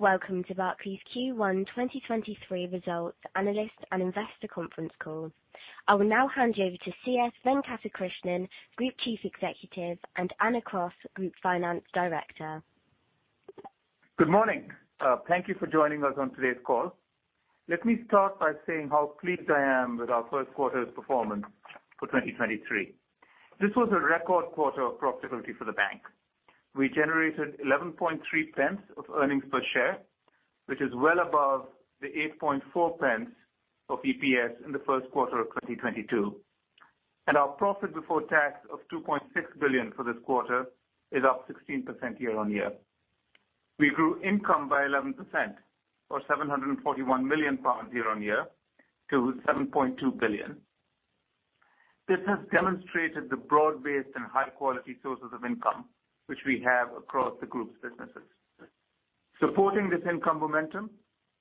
Welcome to Barclays Q1 2023 results analyst and investor conference call. I will now hand you over to C.S. Venkatakrishnan, Group Chief Executive, and Anna Cross, Group Finance Director. Good morning. Thank you for joining us on today's call. Let me start by saying how pleased I am with our first quarter's performance for 2023. This was a record quarter of profitability for the bank. We generated 11.3 pence of earnings per share, which is well above the 8.4 pence of EPS in the first quarter of 2022. Our profit before tax of 2.6 billion for this quarter is up 16% year-on-year. We grew income by 11%, or 741 million pounds year-on-year to 7.2 billion. This has demonstrated the broad-based and high-quality sources of income which we have across the group's businesses. Supporting this income momentum,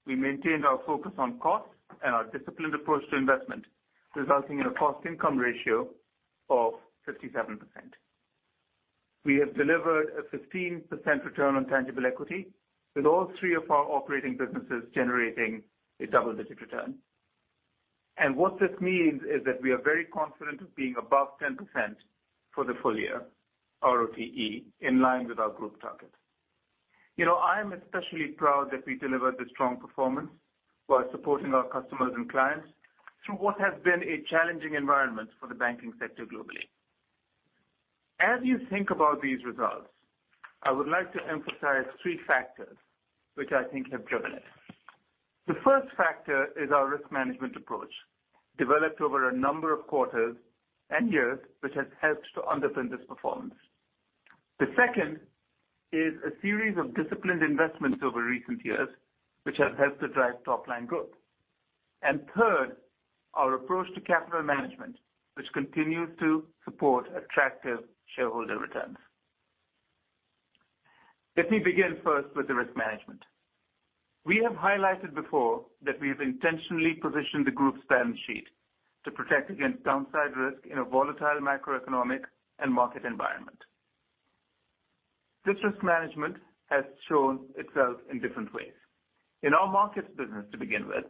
we maintained our focus on costs and our disciplined approach to investment, resulting in a cost income ratio of 57%. We have delivered a 15% Return on Tangible Equity, with all three of our operating businesses generating a double-digit return. What this means is that we are very confident of being above 10% for the full year RoTE, in line with our group target. You know, I am especially proud that we delivered a strong performance while supporting our customers and clients through what has been a challenging environment for the banking sector globally. As you think about these results, I would like to emphasize three factors which I think have driven it. The first factor is our risk management approach, developed over a number of quarters and years, which has helped to underpin this performance. The second is a series of disciplined investments over recent years, which has helped to drive top-line growth. Third, our approach to capital management, which continues to support attractive shareholder returns. Let me begin first with the risk management. We have highlighted before that we have intentionally positioned the group's balance sheet to protect against downside risk in a volatile macroeconomic and market environment. This risk management has shown itself in different ways. In our markets business to begin with,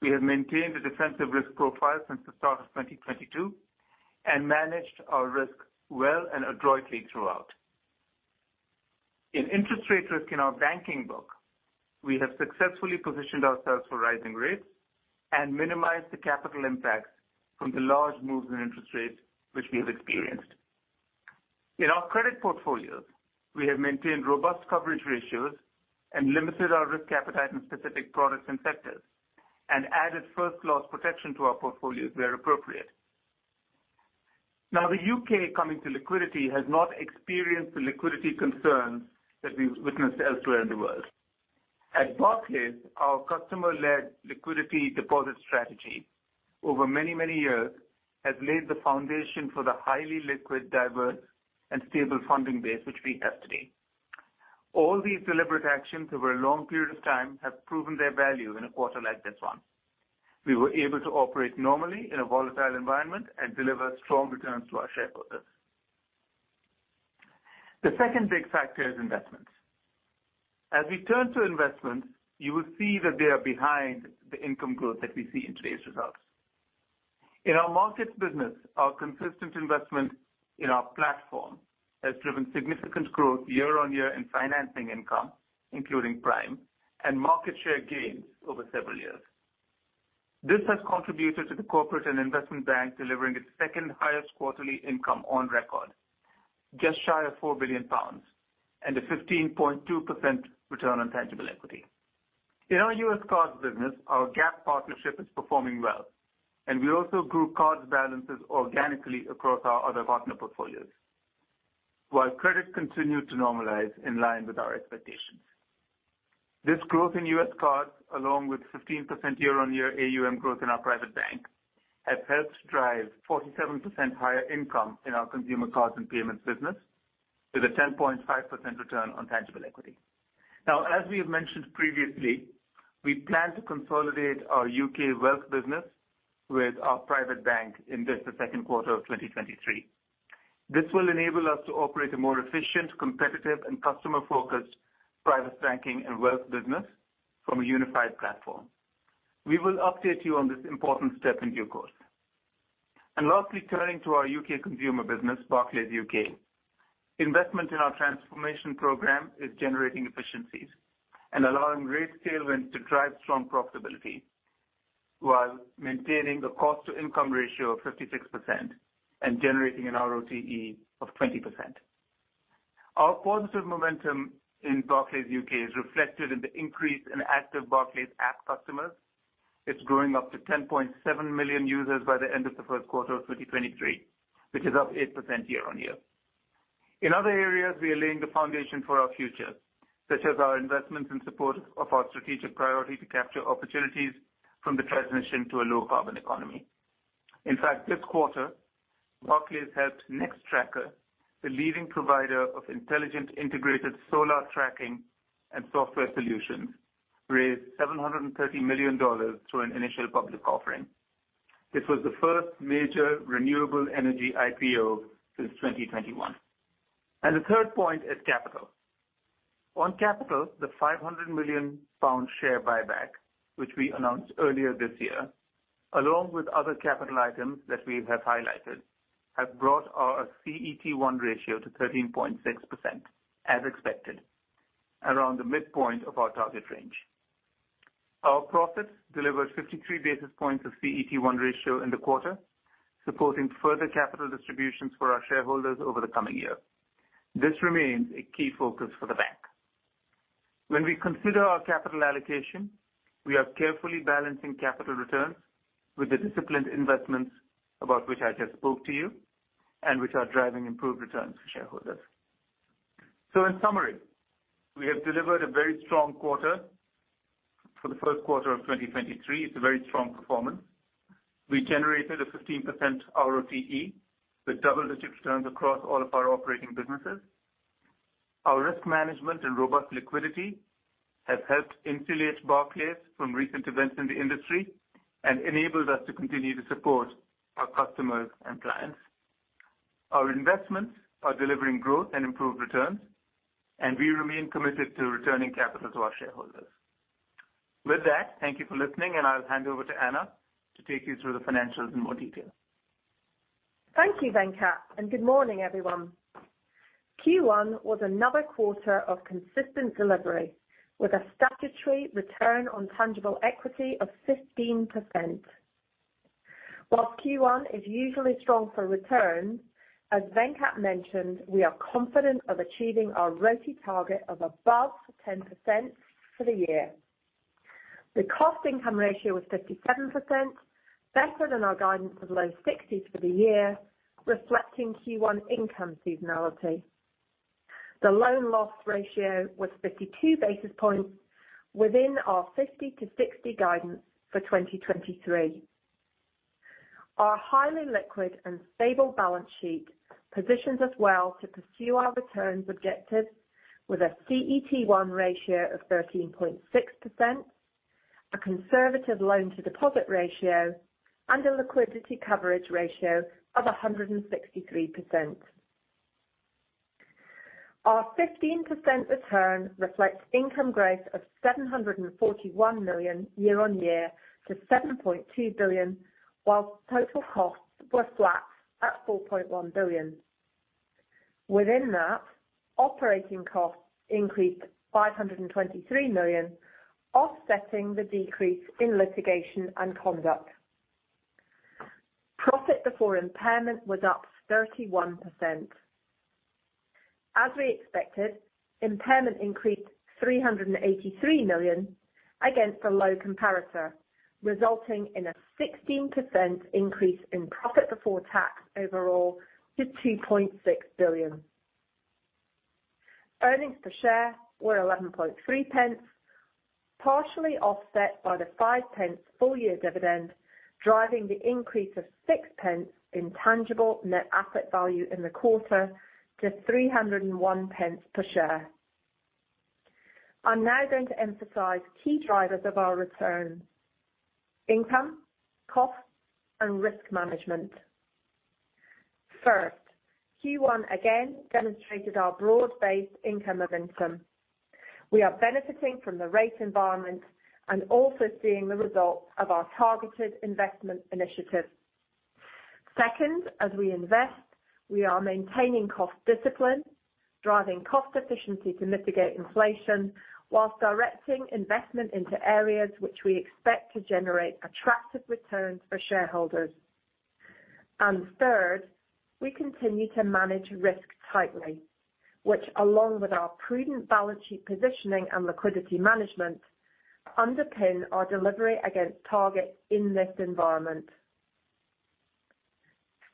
we have maintained a defensive risk profile since the start of 2022 and managed our risk well and adroitly throughout. In interest rate risk in our banking book, we have successfully positioned ourselves for rising rates and minimized the capital impacts from the large moves in interest rates which we have experienced. In our credit portfolios, we have maintained robust coverage ratios and limited our risk appetite in specific products and sectors and added first loss protection to our portfolios where appropriate. Now, the UK, coming to liquidity, has not experienced the liquidity concerns that we've witnessed elsewhere in the world. At Barclays, our customer-led liquidity deposit strategy over many, many years has laid the foundation for the highly liquid, diverse, and stable funding base which we have today. All these deliberate actions over a long period of time have proven their value in a quarter like this one. We were able to operate normally in a volatile environment and deliver strong returns to our shareholders. The second big factor is investments. As we turn to investments, you will see that they are behind the income growth that we see in today's results. In our markets business, our consistent investment in our platform has driven significant growth year-on-year in financing income, including prime and market share gains over several years. This has contributed to the corporate and investment bank delivering its second highest quarterly income on record, just shy of 4 billion pounds and a 15.2% return on tangible equity. In our US cards business, our Gap partnership is performing well. We also grew cards balances organically across our other partner portfolios, while credit continued to normalize in line with our expectations. This growth in US cards, along with 15% year-on-year AUM growth in our private bank, has helped drive 47% higher income in our consumer, cards and payments business with a 10.5% return on tangible equity. As we have mentioned previously, we plan to consolidate our UK wealth business with our private bank in this the second quarter of 2023. This will enable us to operate a more efficient, competitive and customer focused private banking and wealth business from a unified platform. We will update you on this important step in due course. Lastly, turning to our UK consumer business, Barclays UK. Investment in our transformation program is generating efficiencies and allowing rate tailwind to drive strong profitability while maintaining the cost income ratio of 56% and generating an RoTE of 20%. Our positive momentum in Barclays UK is reflected in the increase in active Barclays app customers. It's growing up to 10.7 million users by the end of the first quarter of 2023, which is up 8% year-on-year. In other areas, we are laying the foundation for our future, such as our investments in support of our strategic priority to capture opportunities from the transition to a low carbon economy. In fact, this quarter, Barclays helped Nextracker, the leading provider of intelligent integrated solar tracking and software solutions, raise $730 million through an initial public offering. This was the first major renewable energy IPO since 2021. The third point is capital. On capital, the 500 million pound share buyback, which we announced earlier this year, along with other capital items that we have highlighted, have brought our CET1 ratio to 13.6% as expected, around the midpoint of our target range. Our profits delivered 53 basis points of CET1 ratio in the quarter, supporting further capital distributions for our shareholders over the coming year. This remains a key focus for the bank. When we consider our capital allocation, we are carefully balancing capital returns with the disciplined investments about which I just spoke to you and which are driving improved returns for shareholders. In summary, we have delivered a very strong quarter for the first quarter of 2023. It's a very strong performance. We generated a 15% RoTE, with double-digit returns across all of our operating businesses. Our risk management and robust liquidity has helped insulate Barclays from recent events in the industry and enabled us to continue to support our customers and clients. Our investments are delivering growth and improved returns, and we remain committed to returning capital to our shareholders. That, thank you for listening, and I'll hand over to Anna to take you through the financials in more detail. Thank you, Venkat, and good morning, everyone. Q1 was another quarter of consistent delivery with a statutory return on tangible equity of 15%. While Q1 is usually strong for returns, as Venkat mentioned, we are confident of achieving our ROTE target of above 10% for the year. The cost income ratio was 57%, better than our guidance of low 60s for the year, reflecting Q1 income seasonality. The loan loss ratio was 52 basis points within our 50-60 basis points guidance for 2023. Our highly liquid and stable balance sheet positions us well to pursue our returns objectives with a CET1 ratio of 13.6%, a conservative loan to deposit ratio, and a liquidity coverage ratio of 163%. Our 15% return reflects income growth of 741 million year-on-year to 7.2 billion, while total costs were flat at 4.1 billion. Within that, operating costs increased 523 million, offsetting the decrease in litigation and conduct. Profit before impairment was up 31%. As we expected, impairment increased 383 million against a low comparator, resulting in a 16% increase in profit before tax overall to 2.6 billion. Earnings per share were 11.3 pence, partially offset by the five pence full-year dividend, driving the increase of six pence in tangible net asset value in the quarter to 301 pence per share. I'm now going to emphasize key drivers of our return: income, cost, and risk management. First, Q1 again demonstrated our broad-based income of income. We are benefiting from the rate environment and also seeing the results of our targeted investment initiative. Second, as we invest, we are maintaining cost discipline, driving cost efficiency to mitigate inflation, whilst directing investment into areas which we expect to generate attractive returns for shareholders. Third, we continue to manage risk tightly, which along with our prudent balance sheet positioning and liquidity management, underpin our delivery against targets in this environment.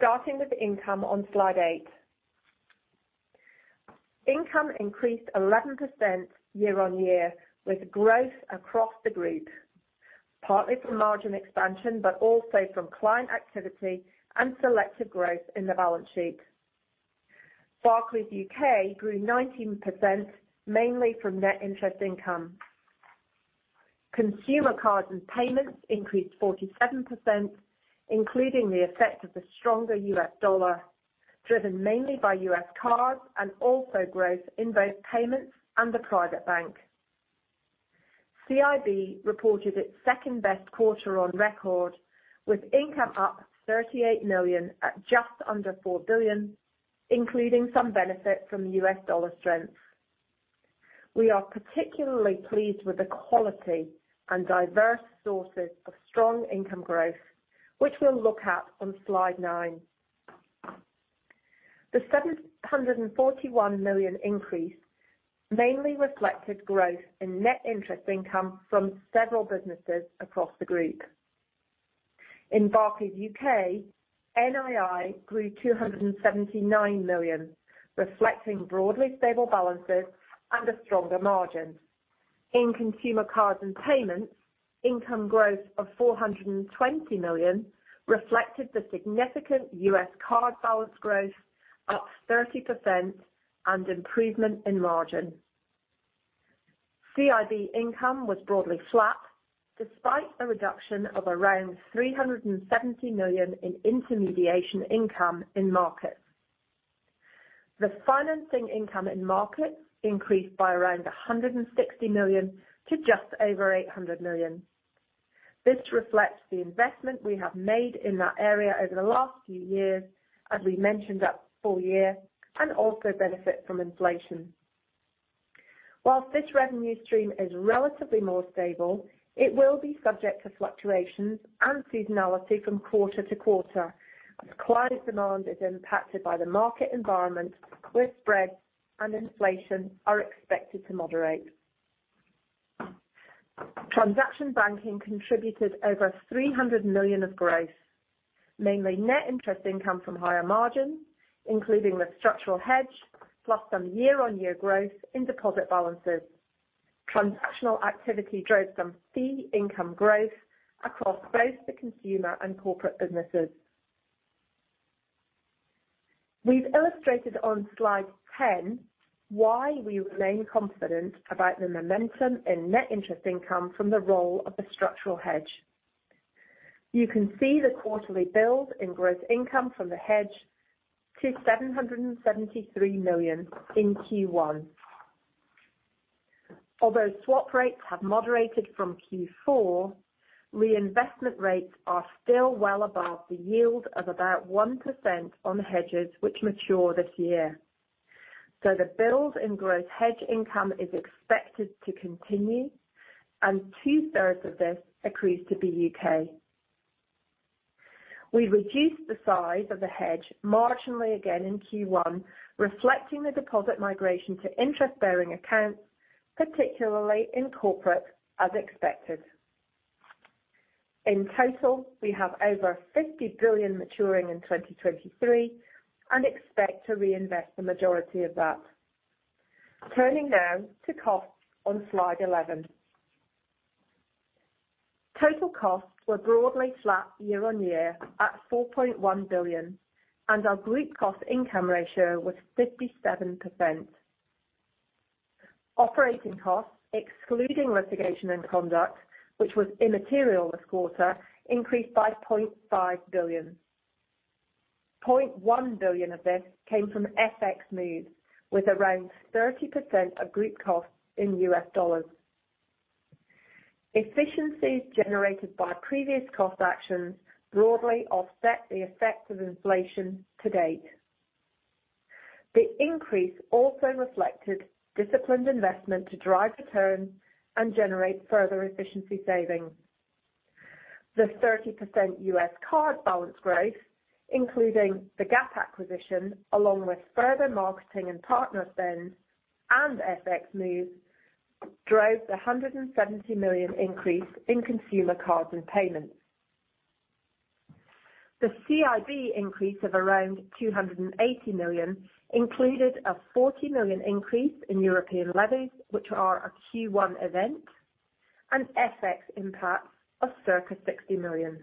Starting with income on slide eight. Income increased 11% year-on-year with growth across the group, partly from margin expansion, but also from client activity and selective growth in the balance sheet. Barclays UK grew 19%, mainly from net interest income. consumer, cards and payments increased 47%, including the effect of the stronger US dollar, driven mainly by US cards and also growth in both payments and the private bank. CIB reported its second-best quarter on record, with income up 38 million at just under 4 billion, including some benefit from US dollar strength. We are particularly pleased with the quality and diverse sources of strong income growth, which we'll look at on slide nine. The 741 million increase mainly reflected growth in net interest income from several businesses across the group. In Barclays UK, NII grew 279 million, reflecting broadly stable balances and a stronger margin. In Consumer, Cards and Payments, income growth of 420 million reflected the significant US card balance growth, up 30%, and improvement in margin. CIB income was broadly flat despite a reduction of around 370 million in intermediation income in markets. The financing income in markets increased by around 160 million to just over 800 million. This reflects the investment we have made in that area over the last few years, as we mentioned at full year, and also benefit from inflation. Whilst this revenue stream is relatively more stable, it will be subject to fluctuations and seasonality from quarter to quarter as client demand is impacted by the market environment, where spreads and inflation are expected to moderate. Transaction banking contributed over 300 million of growth, mainly net interest income from higher margins, including the structural hedge plus some year-on-year growth in deposit balances. Transactional activity drove some fee income growth across both the consumer and corporate businesses. We've illustrated on slide 10 why we remain confident about the momentum in net interest income from the role of the structural hedge. You can see the quarterly build in gross income from the hedge to 773 million in Q1. Although swap rates have moderated from Q4, reinvestment rates are still well above the yield of about 1% on hedges which mature this year. The build in gross hedge income is expected to continue, and 2/3 of this accrues to BUK. We reduced the size of the hedge marginally again in Q1, reflecting the deposit migration to interest-bearing accounts, particularly in corporate, as expected. In total, we have over 50 billion maturing in 2023 and expect to reinvest the majority of that. Turning now to costs on slide 11. Total costs were broadly flat year-on-year at 4.1 billion, and our group cost-income ratio was 57%. Operating costs excluding litigation and conduct, which was immaterial this quarter, increased by 0.5 billion. 0.1 billion of this came from FX Move, with around 30% of group costs in US dollars. Efficiencies generated by previous cost actions broadly offset the effects of inflation to date. The increase also reflected disciplined investment to drive returns and generate further efficiency savings. The 30% US card balance growth, including the Gap acquisition, along with further marketing and partner spend and FX moves, drove the $170 million increase in consumer, cards and payments. The CIB increase of around 280 million included a 40 million increase in European levies, which are a Q1 event, and FX impact of circa 60 million.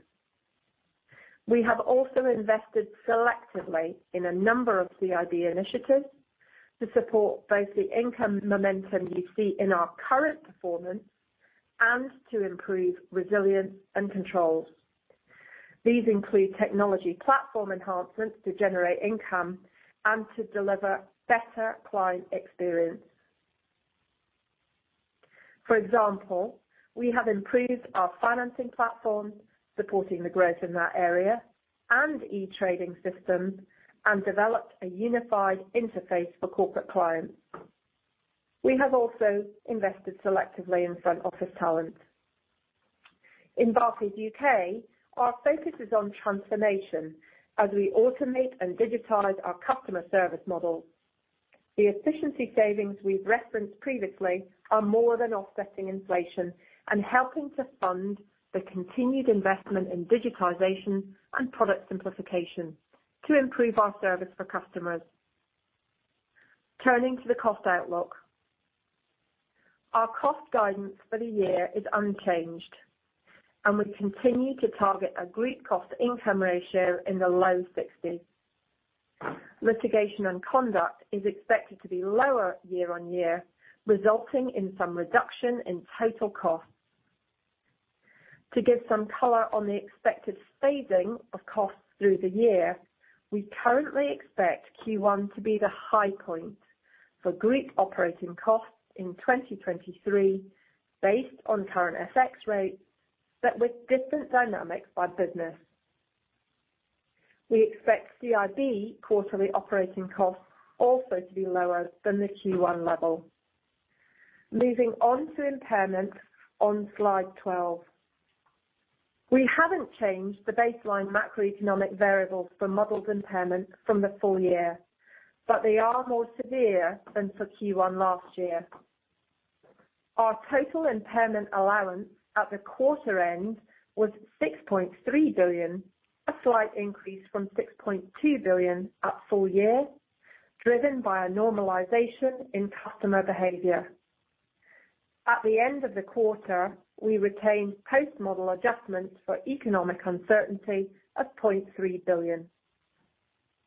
We have also invested selectively in a number of CIB initiatives to support both the income momentum you see in our current performance and to improve resilience and controls. These include technology platform enhancements to generate income and to deliver better client experience. For example, we have improved our financing platform, supporting the growth in that area, and e-trading systems, and developed a unified interface for corporate clients. We have also invested selectively in front office talent. In Barclays UK, our focus is on transformation as we automate and digitize our customer service model. The efficiency savings we've referenced previously are more than offsetting inflation and helping to fund the continued investment in digitization and product simplification to improve our service for customers. Turning to the cost outlook. Our cost guidance for the year is unchanged, and we continue to target a group cost income ratio in the low sixties. Litigation and conduct is expected to be lower year-on-year, resulting in some reduction in total costs. To give some color on the expected phasing of costs through the year, we currently expect Q1 to be the high point for group operating costs in 2023 based on current FX rates, but with different dynamics by business. We expect CIB quarterly operating costs also to be lower than the Q1 level. Moving on to impairments on slide 12. We haven't changed the baseline macroeconomic variables for modeled impairments from the full year, but they are more severe than for Q1 last year. Our total impairment allowance at the quarter end was 6.3 billion, a slight increase from 6.2 billion at full year, driven by a normalization in customer behavior. At the end of the quarter, we retained post-model adjustments for economic uncertainty of 0.3 billion.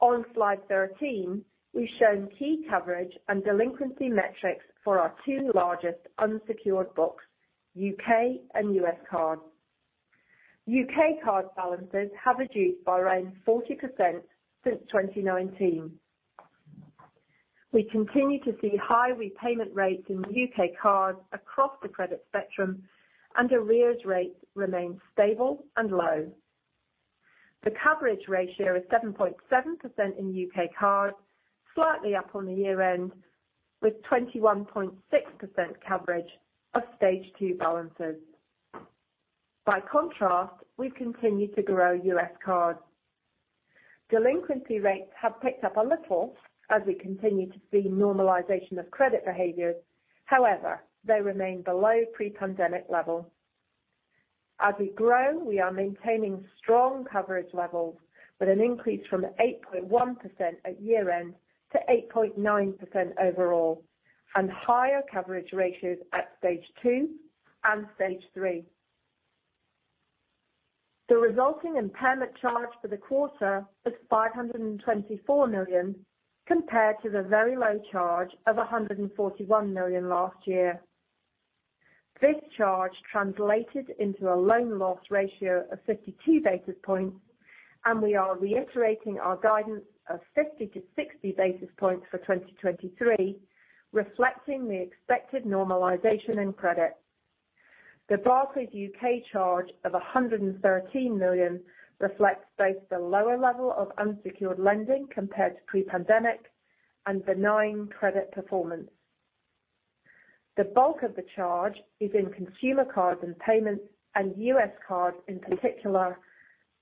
On slide 13, we've shown key coverage and delinquency metrics for our two largest unsecured books, UK and US card. UK card balances have reduced by around 40% since 2019. We continue to see high repayment rates in UK cards across the credit spectrum and arrears rates remain stable and low. The coverage ratio is 7.7% in UK cards, slightly up on the year-end, with 21.6% coverage of stage two balances. By contrast, we've continued to grow US cards. Delinquency rates have picked up a little as we continue to see normalization of credit behaviors, however, they remain below pre-pandemic levels. As we grow, we are maintaining strong coverage levels with an increase from 8.1% at year-end to 8.9% overall and higher coverage ratios at stage two and stage three. The resulting impairment charge for the quarter was 524 million compared to the very low charge of 141 million last year. This charge translated into a loan loss ratio of 52 basis points, and we are reiterating our guidance of 50-60 basis points for 2023, reflecting the expected normalization in credit. The Barclays UK charge of 113 million reflects both the lower level of unsecured lending compared to pre-pandemic and benign credit performance. The bulk of the charge is in Consumer, Cards and Payments and U.S. cards in particular.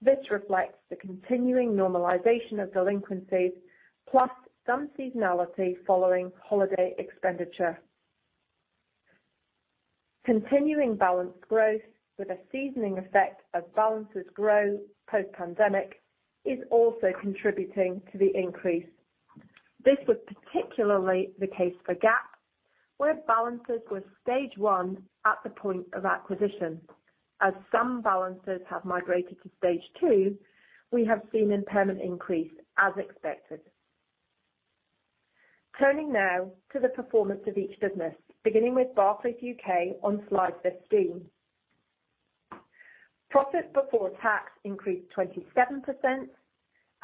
This reflects the continuing normalization of delinquencies, plus some seasonality following holiday expenditure. Continuing balance growth with a seasoning effect as balances grow post-pandemic is also contributing to the increase. This was particularly the case for GAP, where balances were stage one at the point of acquisition. As some balances have migrated to stage two, we have seen impairment increase as expected. Turning now to the performance of each business, beginning with Barclays UK on slide 15. Profit before tax increased 27%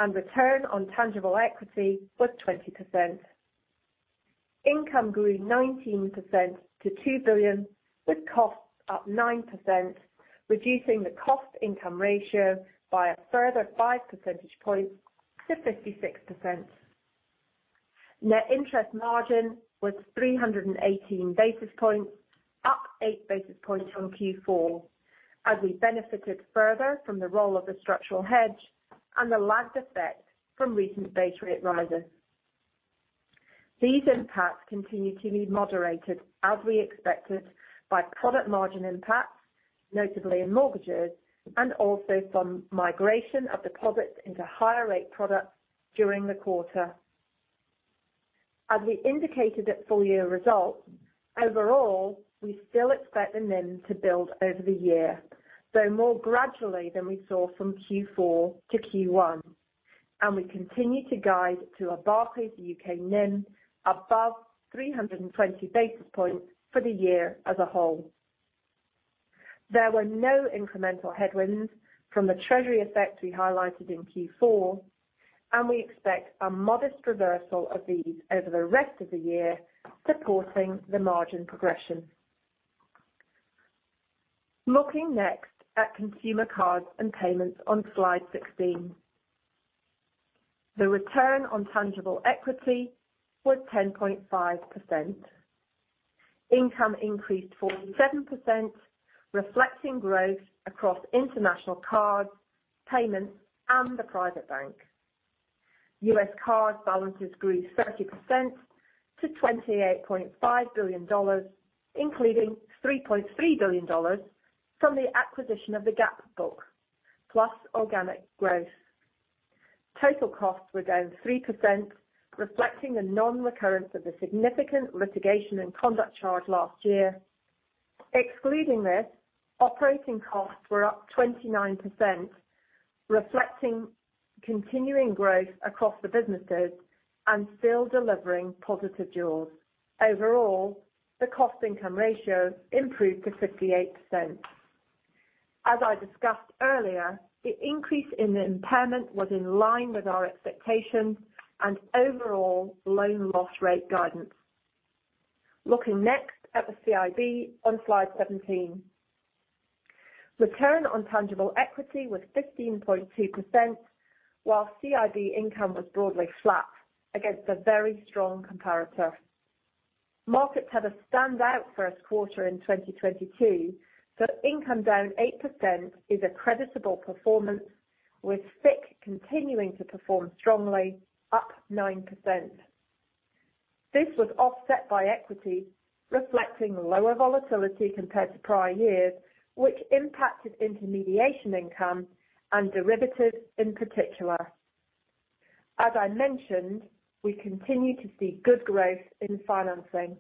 and return on tangible equity was 20%. Income grew 19% to 2 billion, with costs up 9%, reducing the cost income ratio by a further five percentage points to 56%. Net interest margin was 318 basis points, up eight basis points from Q4 as we benefited further from the role of the structural hedge and the lagged effect from recent base rate rises. These impacts continue to be moderated, as we expected, by product margin impacts, notably in mortgages and also from migration of deposits into higher rate products during the quarter. As we indicated at full year results, overall, we still expect the NIM to build over the year, though more gradually than we saw from Q4 to Q1. We continue to guide to a Barclays UK NIM above 320 basis points for the year as a whole. There were no incremental headwinds from the treasury effect we highlighted in Q4. We expect a modest reversal of these over the rest of the year, supporting the margin progression. Looking next at consumer, cards and payments on slide 16. The return on tangible equity was 10.5%. Income increased 47%, reflecting growth across international cards, payments, and the private bank. US card balances grew 30% to $28.5 billion, including $3.3 billion from the acquisition of the Gap book, plus organic growth. Total costs were down 3%, reflecting the non-recurrence of a significant litigation and conduct charge last year. Excluding this, operating costs were up 29%, reflecting continuing growth across the businesses and still delivering positive jaws. Overall, the cost income ratio improved to 58%. As I discussed earlier, the increase in the impairment was in line with our expectations and overall loan loss rate guidance. Looking next at the CIB on slide 17. Return on tangible equity was 15.2%, while CIB income was broadly flat against a very strong comparator. Markets had a standout first quarter in 2022, so income down 8% is a creditable performance, with FICC continuing to perform strongly up 9%. This was offset by equity reflecting lower volatility compared to prior years, which impacted intermediation income and derivatives in particular. As I mentioned, we continue to see good growth in financing.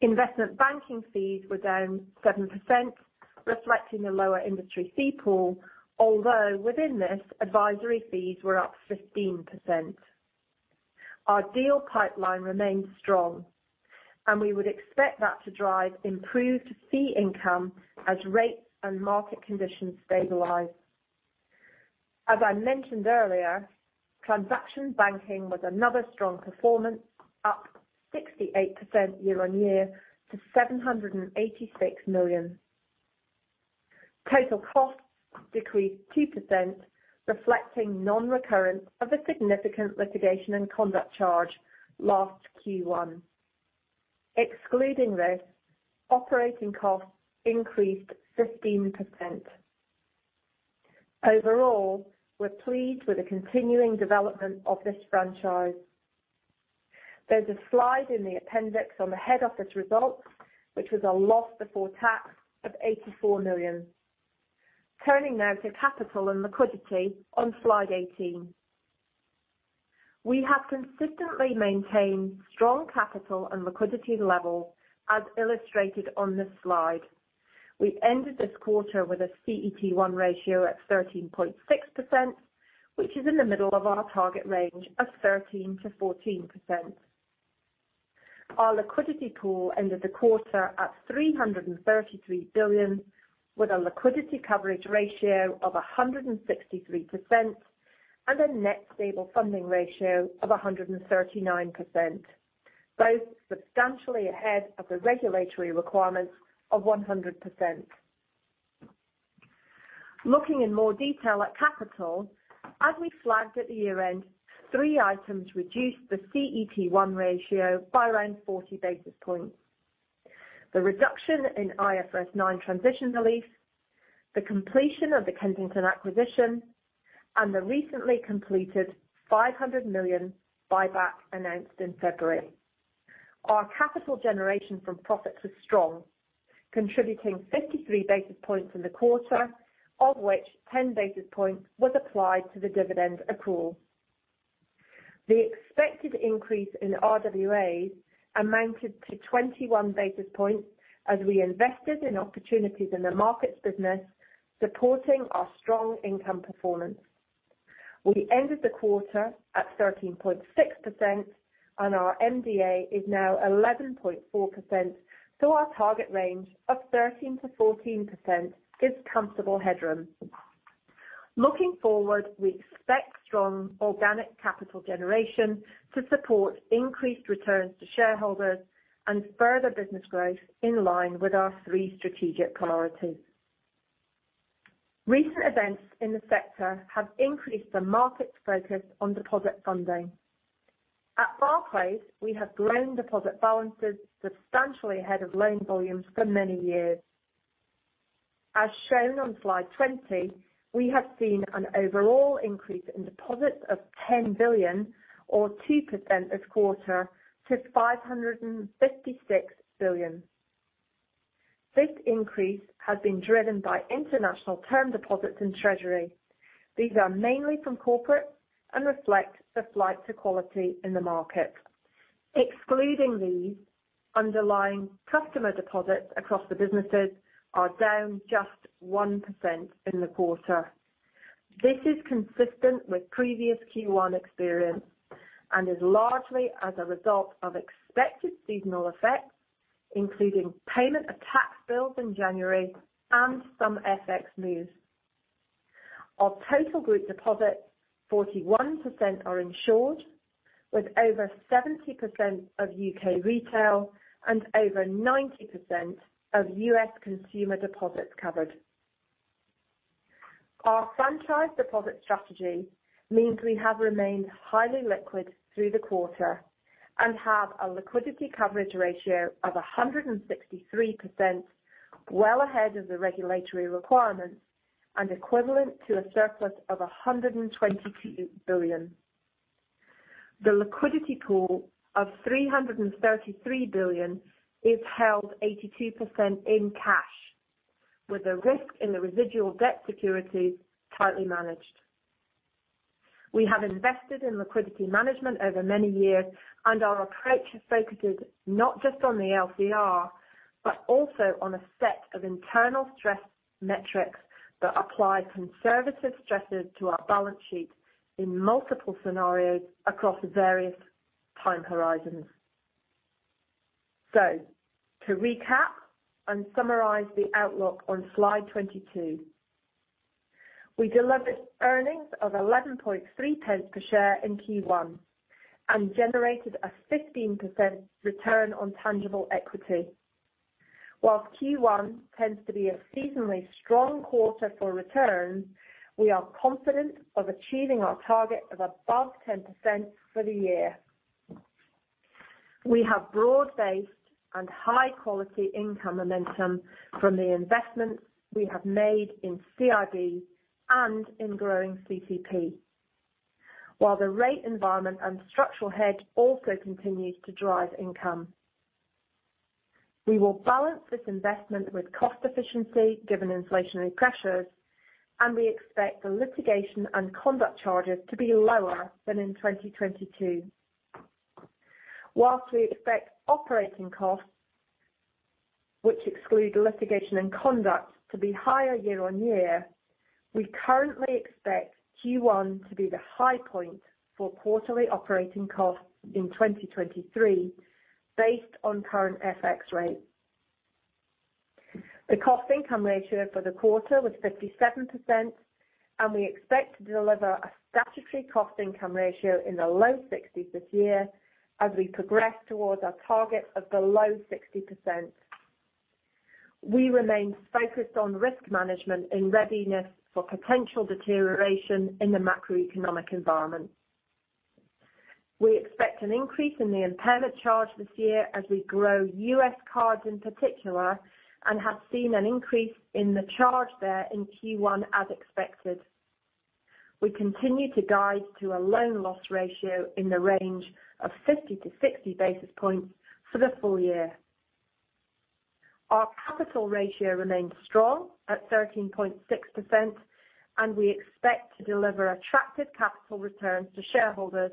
Investment banking fees were down 7%, reflecting the lower industry fee pool. Within this, advisory fees were up 15%. We would expect that to drive improved fee income as rates and market conditions stabilize. As I mentioned earlier, transaction banking was another strong performance, up 68% year-over-year to GBP 786 million. Total costs decreased 2%, reflecting non-recurrent of a significant litigation and conduct charge last Q1. Excluding this, operating costs increased 15%. We're pleased with the continuing development of this franchise. There's a slide in the appendix on the head office results, which was a loss before tax of 84 million. Turning now to capital and liquidity on slide 18. We have consistently maintained strong capital and liquidity level, as illustrated on this slide. We ended this quarter with a CET1 ratio at 13.6%, which is in the middle of our target range of 13%-14%. Our liquidity pool ended the quarter at 333 billion, with a liquidity coverage ratio of 163% and a Net Stable Funding Ratio of 139%, both substantially ahead of the regulatory requirements of 100%. Looking in more detail at capital, as we flagged at the year-end, three items reduced the CET1 ratio by around 40 basis points. The reduction in IFRS 9 transition relief, the completion of the Kensington acquisition, and the recently completed 500 million buyback announced in February. Our capital generation from profits was strong, contributing 53 basis points in the quarter, of which 10 basis points was applied to the dividend accrual. The expected increase in RWAs amounted to 21 basis points, as we invested in opportunities in the markets business, supporting our strong income performance. We ended the quarter at 13.6% and our MDA is now 11.4%. Our target range of 13%-14% gives comfortable headroom. Looking forward, we expect strong organic capital generation to support increased returns to shareholders and further business growth in line with our three strategic priorities. Recent events in the sector have increased the market's focus on deposit funding. At Barclays, we have grown deposit balances substantially ahead of loan volumes for many years. As shown on slide 20, we have seen an overall increase in deposits of 10 billion or 2% this quarter to 556 billion. This increase has been driven by international term deposits in treasury. These are mainly from corporate and reflect the flight to quality in the market. Excluding these, underlying customer deposits across the businesses are down just 1% in the quarter. This is consistent with previous Q1 experience and is largely as a result of expected seasonal effects, including payment of tax bills in January and some FX moves. Of total group deposits, 41% are insured, with over 70% of U.K. retail and over 90% of U.S. consumer deposits covered. Our franchise deposit strategy means we have remained highly liquid through the quarter and have a liquidity coverage ratio of 163%, well ahead of the regulatory requirements and equivalent to a surplus of 122 billion. The liquidity pool of 333 billion is held 82% in cash, with the risk in the residual debt securities tightly managed. We have invested in liquidity management over many years, our approach is focused not just on the LCR, but also on a set of internal stress metrics that apply conservative stresses to our balance sheet in multiple scenarios across various time horizons. To recap and summarize the outlook on slide 22. We delivered earnings of 11.3 pence per share in Q1 and generated a 15% return on tangible equity. Whilst Q1 tends to be a seasonally strong quarter for returns, we are confident of achieving our target of above 10% for the year. We have broad-based and high-quality income momentum from the investments we have made in CRD and in growing CC&P. While the rate environment and structural hedge also continues to drive income. We will balance this investment with cost efficiency given inflationary pressures. We expect the litigation and conduct charges to be lower than in 2022. Whilst we expect operating costs, which exclude litigation and conduct, to be higher year-on-year, we currently expect Q1 to be the high point for quarterly operating costs in 2023 based on current FX rates. The cost income ratio for the quarter was 57%, and we expect to deliver a statutory cost income ratio in the low 60s this year as we progress towards our target of below 60%. We remain focused on risk management in readiness for potential deterioration in the macroeconomic environment. We expect an increase in the impairment charge this year as we grow US cards in particular and have seen an increase in the charge there in Q1 as expected. We continue to guide to a loan loss ratio in the range of 50 to 60 basis points for the full year. Our capital ratio remains strong at 13.6%, and we expect to deliver attractive capital returns to shareholders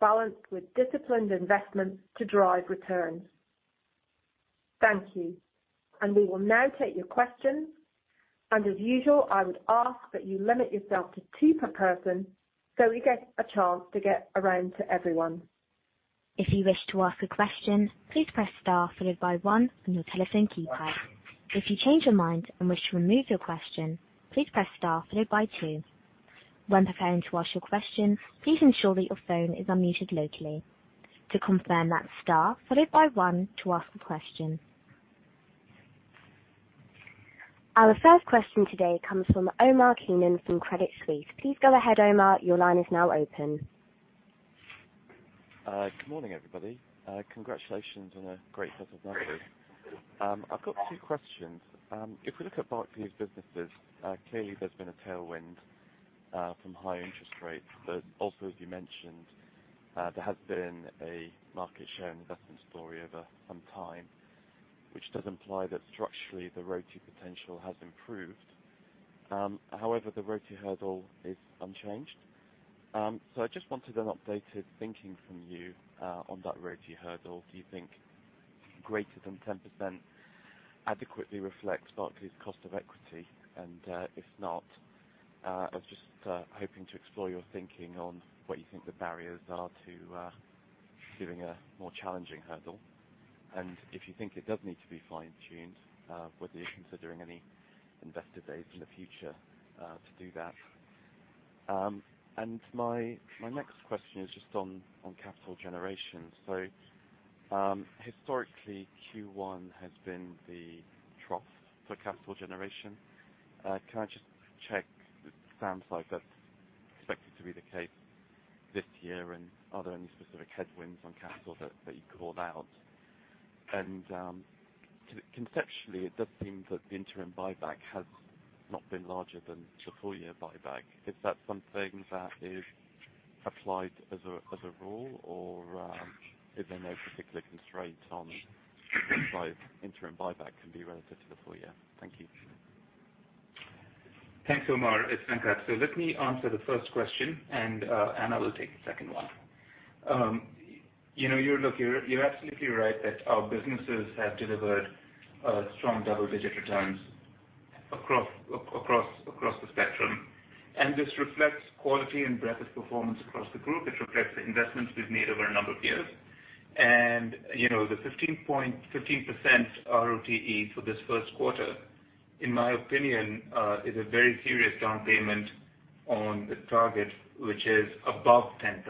balanced with disciplined investment to drive returns. Thank you. We will now take your questions. As usual, I would ask that you limit yourself to two per person, so we get a chance to get around to everyone. If you wish to ask a question, please press star followed by one on your telephone keypad. If you change your mind and wish to remove your question, please press star followed by two. When preparing to ask your question, please ensure that your phone is unmuted locally. To confirm, that's star followed by one to ask a question. Our first question today comes from Omar Keenan from Credit Suisse. Please go ahead, Omar. Your line is now open. Good morning, everybody. Congratulations on a great set of numbers. I've got two questions. If we look at Barclays businesses, clearly there's been a tailwind from high interest rates. Also, as you mentioned, there has been a market share and investment story over some time, which does imply that structurally the RoTE potential has improved. However, the RoTE hurdle is unchanged. I just wanted an updated thinking from you on that RoTE hurdle. Do you think greater than 10% adequately reflects Barclays cost of equity? If not, I was just hoping to explore your thinking on what you think the barriers are to doing a more challenging hurdle. If you think it does need to be fine-tuned, whether you're considering any investor days in the future to do that. My next question is just on capital generation. Historically, Q1 has been the trough for capital generation. Can I just check the same side that's expected to be the case this year? Are there any specific headwinds on capital that you called out? Conceptually, it does seem that the interim buyback has not been larger than the full year buyback. Is that something that is applied as a rule, or is there no particular constraint on the interim buyback can be relative to the full year? Thank you. Thanks, Omar. It's Venkat. Let me answer the first question, and Anna will take the second one. You know, you're absolutely right that our businesses have delivered strong double-digit returns across the spectrum. This reflects quality and breadth of performance across the group. It reflects the investments we've made over a number of years. You know, the 15% RoTE for this first quarter, in my opinion, is a very serious down payment on the target, which is above 10%.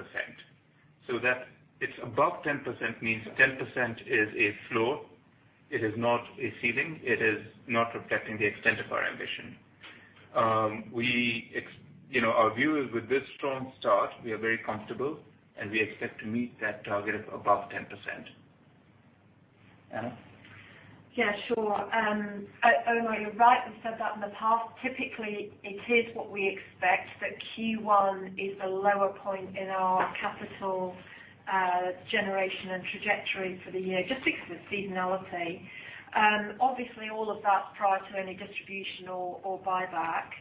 That it's above 10% means 10% is a floor. It is not a ceiling. It is not reflecting the extent of our ambition. You know, our view is with this strong start, we are very comfortable, and we expect to meet that target of above 10%. Anna. Yeah, sure. Omar, you're right. We've said that in the past. Typically, it is what we expect that Q1 is the lower point in our capital generation and trajectory for the year, just because of seasonality. Obviously all of that's prior to any distribution or buyback.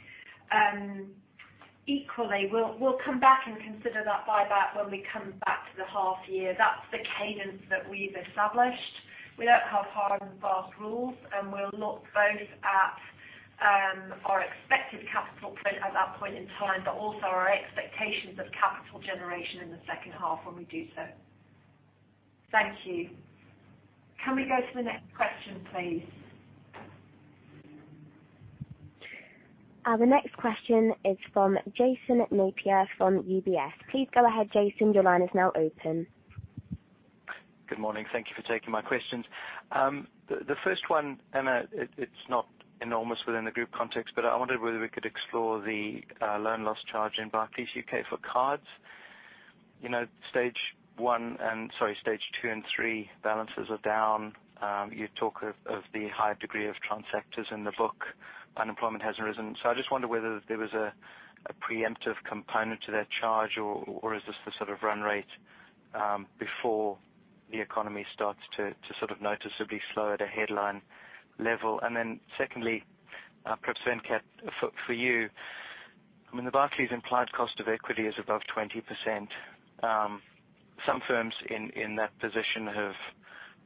Equally, we'll come back and consider that buyback when we come back to the half year. That's the cadence that we've established. We don't have hard and fast rules. We'll look both at our expected capital at that point in time, but also our expectations of capital generation in the second half when we do so. Thank you. Can we go to the next question, please? The next question is from Jason Napier from UBS. Please go ahead, Jason. Your line is now open. Good morning. Thank you for taking my questions. The first one, Anna, it's not enormous within the group context, but I wondered whether we could explore the loan loss charge in Barclays UK for cards. You know, stage two and three balances are down. You talk of the high degree of transactors in the book. Unemployment hasn't risen. I just wonder whether there was a preemptive component to that charge or is this the sort of run rate before the economy starts to noticeably slow at a headline level? Secondly, perhaps Venkat, for you, I mean, the Barclays implied cost of equity is above 20%. Some firms in that position have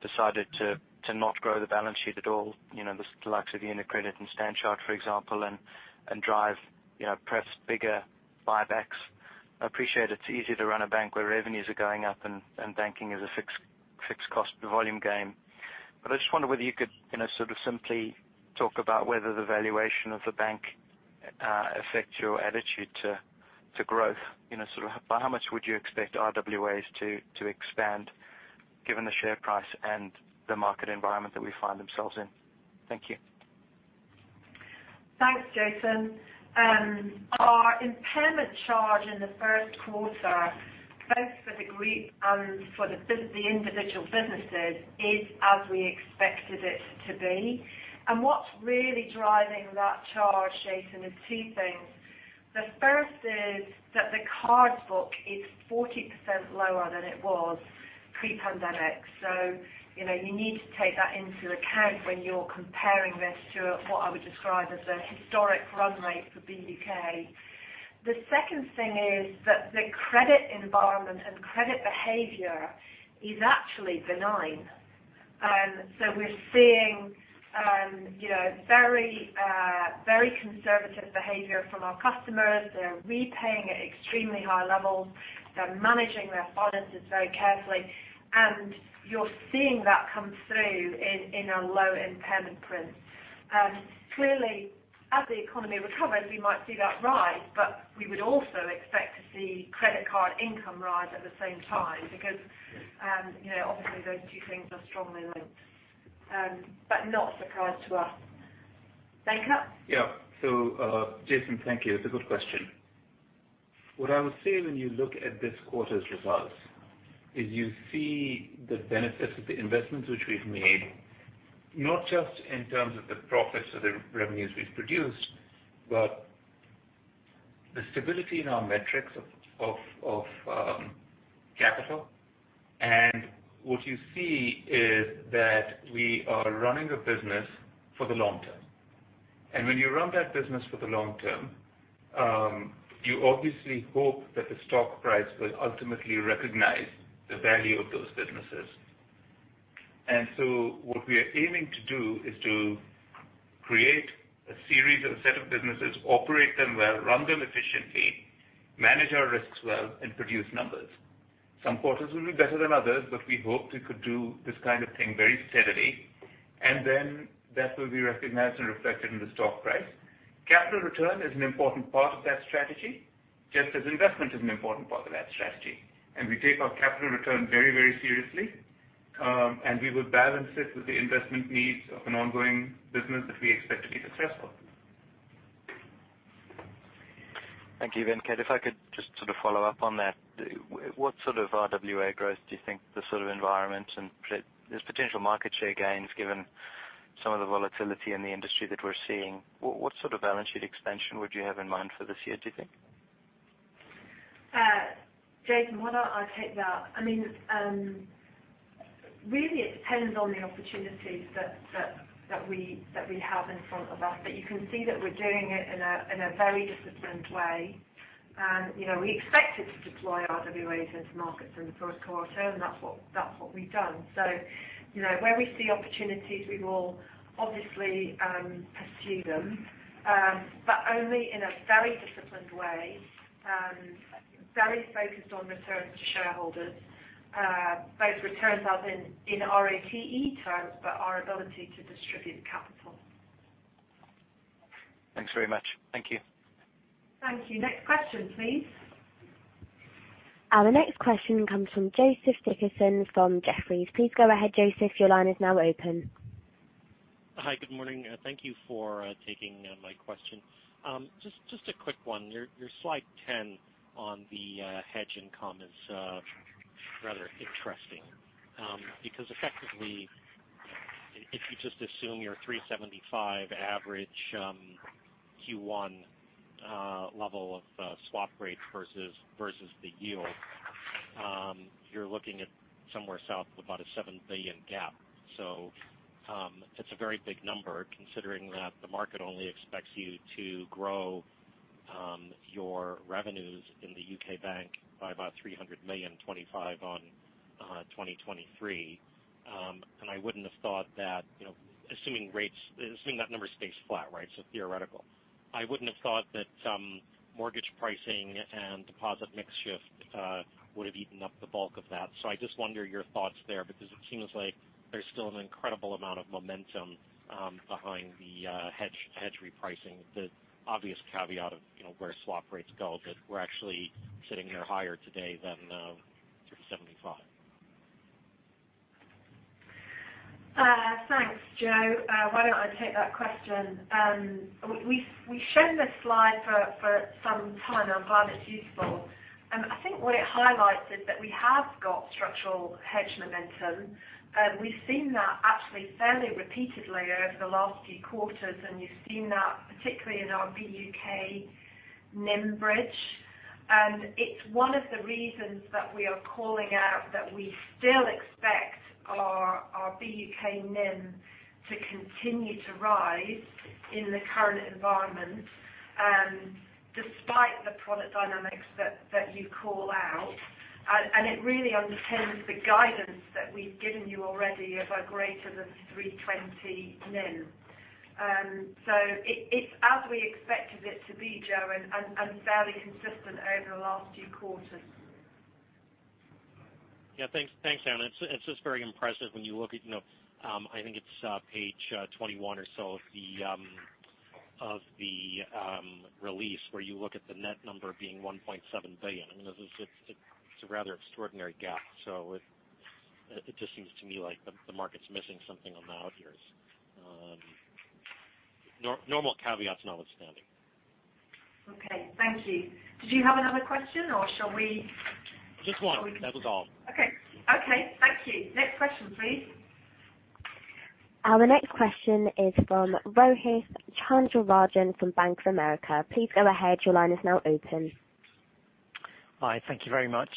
decided to not grow the balance sheet at all, you know, the likes of UniCredit and StanChart, for example, and drive, you know, perhaps bigger buybacks. I appreciate it's easier to run a bank where revenues are going up and banking is a fixed cost volume game. I just wondered whether you could, you know, sort of simply talk about whether the valuation of the bank affects your attitude to growth. You know, sort of by how much would you expect RWAs to expand given the share price and the market environment that we find themselves in? Thank you. Thanks, Jason. Our impairment charge in the first quarter, both for the group and for the individual businesses, is as we expected it to be. What's really driving that charge, Jason, is two things. The first is that the card book is 40% lower than it was pre-pandemic. You know, you need to take that into account when you're comparing this to what I would describe as a historic run rate for BUK. The second thing is that the credit environment and credit behavior is actually benign. We're seeing, you know, very, very conservative behavior from our customers. They're repaying at extremely high levels. They're managing their finances very carefully, and you're seeing that come through in a low impairment print. Clearly, as the economy recovers, we might see that rise, we would also expect to see credit card income rise at the same time because, you know, obviously those two things are strongly linked. Not a surprise to us. Venkat? Jason, thank you. It's a good question. What I would say when you look at this quarter's results is you see the benefits of the investments which we've made, not just in terms of the profits or the revenues we've produced, but the stability in our metrics of capital. What you see is that we are running a business for the long term. When you run that business for the long term, you obviously hope that the stock price will ultimately recognize the value of those businesses. What we are aiming to do is to create a series of set of businesses, operate them well, run them efficiently, manage our risks well, and produce numbers. Some quarters will be better than others, but we hope we could do this kind of thing very steadily, and then that will be recognized and reflected in the stock price. Capital return is an important part of that strategy, just as investment is an important part of that strategy. We take our capital return very, very seriously, and we would balance it with the investment needs of an ongoing business that we expect to be successful. Thank you, Venkat. If I could just sort of follow up on that. What sort of RWA growth do you think the sort of environment and there's potential market share gains given some of the volatility in the industry that we're seeing? What sort of balance sheet expansion would you have in mind for this year, do you think? Jason, why don't I take that? I mean, really it depends on the opportunities that we have in front of us. You can see that we're doing it in a very disciplined way. You know, we expected to deploy RWAs into markets in the first quarter, and that's what we've done. You know, where we see opportunities, we will obviously pursue them, but only in a very disciplined way, very focused on returns to shareholders, both returns as in ROTE terms, but our ability to distribute capital. Thanks very much. Thank you. Thank you. Next question, please. The next question comes from Joseph Dickerson from Jefferies. Please go ahead, Joseph. Your line is now open. Hi. Good morning. Thank you for taking my question. Just a quick one. Your slide 10 on the hedge income is rather interesting because effectively, if you just assume your 3.75% average Q1 level of swap rates versus the yield, you're looking at somewhere south of about a 7 billion gap. It's a very big number considering that the market only expects you to grow your revenues in the UK Bank by about 300 million 25 on 2023. I wouldn't have thought that, you know, assuming that number stays flat, right? Theoretical. I wouldn't have thought that mortgage pricing and deposit mix shift would have eaten up the bulk of that. I just wonder your thoughts there, because it seems like there's still an incredible amount of momentum behind the hedge repricing. The obvious caveat of, you know, where swap rates go, that we're actually sitting here higher today than 3.75. Thanks, Joe. Why don't I take that question? We showed this slide for some time. I'm glad it's useful. I think what it highlights is that we have got structural hedge momentum. We've seen that actually fairly repeatedly over the last few quarters. You've seen that particularly in our BUK NIM bridge. It's one of the reasons that we are calling out that we still expect our BUK NIM to continue to rise in the current environment, despite the product dynamics that you call out. It really underpins the guidance that we've given you already of a greater than 320 NIM. It's as we expected it to be, Joe, and fairly consistent over the last few quarters. Yeah. Thanks, Anna. It's just very impressive when you look at, you know, I think it's page 21 or so of the release, where you look at the net number being 1.7 billion. I mean, It's a rather extraordinary gap. It just seems to me like the market's missing something on the out years, normal caveats notwithstanding. Okay. Thank you. Did you have another question, or shall we... Just one. That was all. Okay. Okay. Thank you. Next question, please. Our next question is from Rohith Chandra-Rajan, from Bank of America. Please go ahead. Your line is now open. Hi. Thank you very much.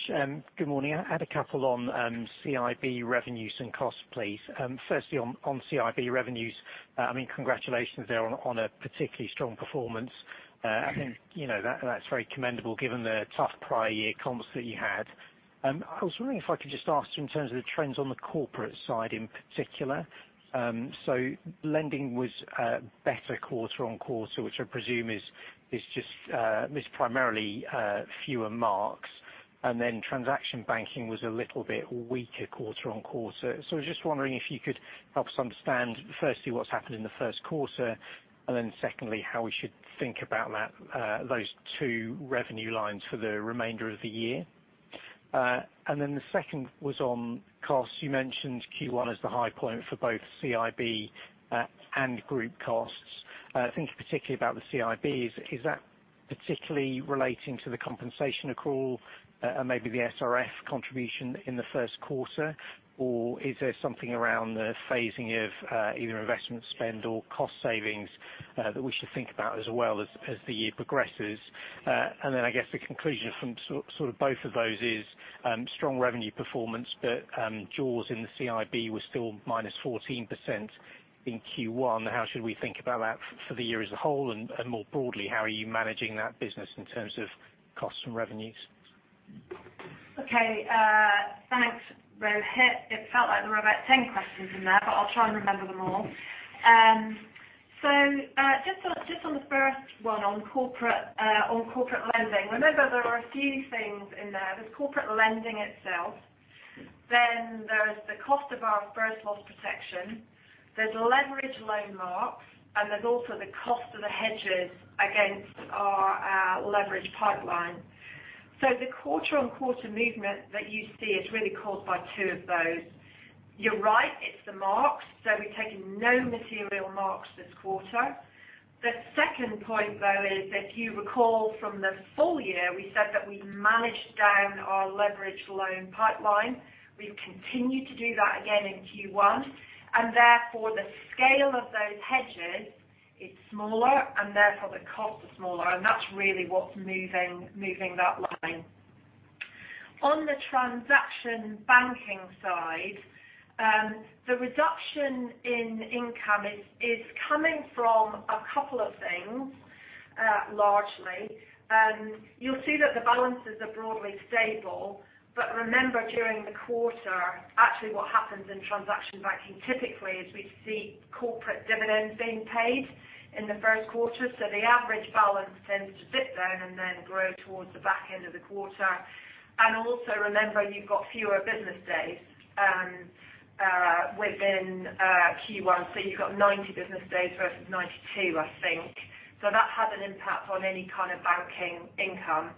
Good morning. I had a couple on CIB revenues and costs, please. firstly, on CIB revenues, I mean, congratulations there on a particularly strong performance. I think, you know, that's very commendable given the tough prior year comps that you had. I was wondering if I could just ask you in terms of the trends on the corporate side in particular. Lending was better quarter on quarter, which I presume is just primarily fewer marks, and then transaction banking was a little bit weaker quarter on quarter. I was just wondering if you could help us understand, firstly, what's happened in the first quarter, and then secondly, how we should think about that, those two revenue lines for the remainder of the year. The second was on costs. You mentioned Q1 as the high point for both CIB and group costs. Thinking particularly about the CIB, is that particularly relating to the compensation accrual and maybe the SRF contribution in the first quarter? Is there something around the phasing of either investment spend or cost savings that we should think about as well as the year progresses? I guess the conclusion from both of those is strong revenue performance, but jaws in the CIB were still minus 14% in Q1. How should we think about that for the year as a whole? More broadly, how are you managing that business in terms of costs and revenues? Okay. Thanks, Rohith. It felt like there were about 10 questions in there, but I'll try and remember them all. Just on the first one, on corporate lending. Remember there are a few things in there. There's corporate lending itself, then there's the cost of our first loss protection. There's leverage loan marks, and there's also the cost of the hedges against our leverage pipeline. The quarter-on-quarter movement that you see is really caused by two of those. You're right, it's the marks. We've taken no material marks this quarter. The second point, though, is if you recall from the full year, we said that we managed down our leverage loan pipeline. We've continued to do that again in Q1, and therefore the scale of those hedges is smaller, and therefore the costs are smaller. That's really what's moving that line. On the transaction banking side, the reduction in income is coming from a couple of things, largely. You'll see that the balances are broadly stable. Remember, during the quarter, actually what happens in transaction banking typically is we see corporate dividends being paid in the first quarter, so the average balance tends to dip down and then grow towards the back end of the quarter. Also remember you've got fewer business days within Q1. You've got 90 business days versus 92, I think. That has an impact on any kind of banking income.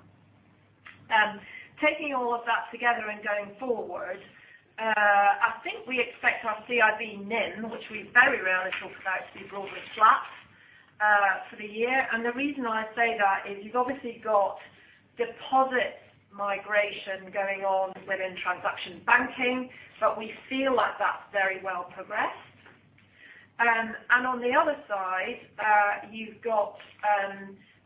Taking all of that together and going forward, I think we expect our CIB NIM, which we very rarely talk about, to be broadly flat for the year. The reason I say that is you've obviously got deposit migration going on within transaction banking, but we feel like that's very well progressed. On the other side, you've got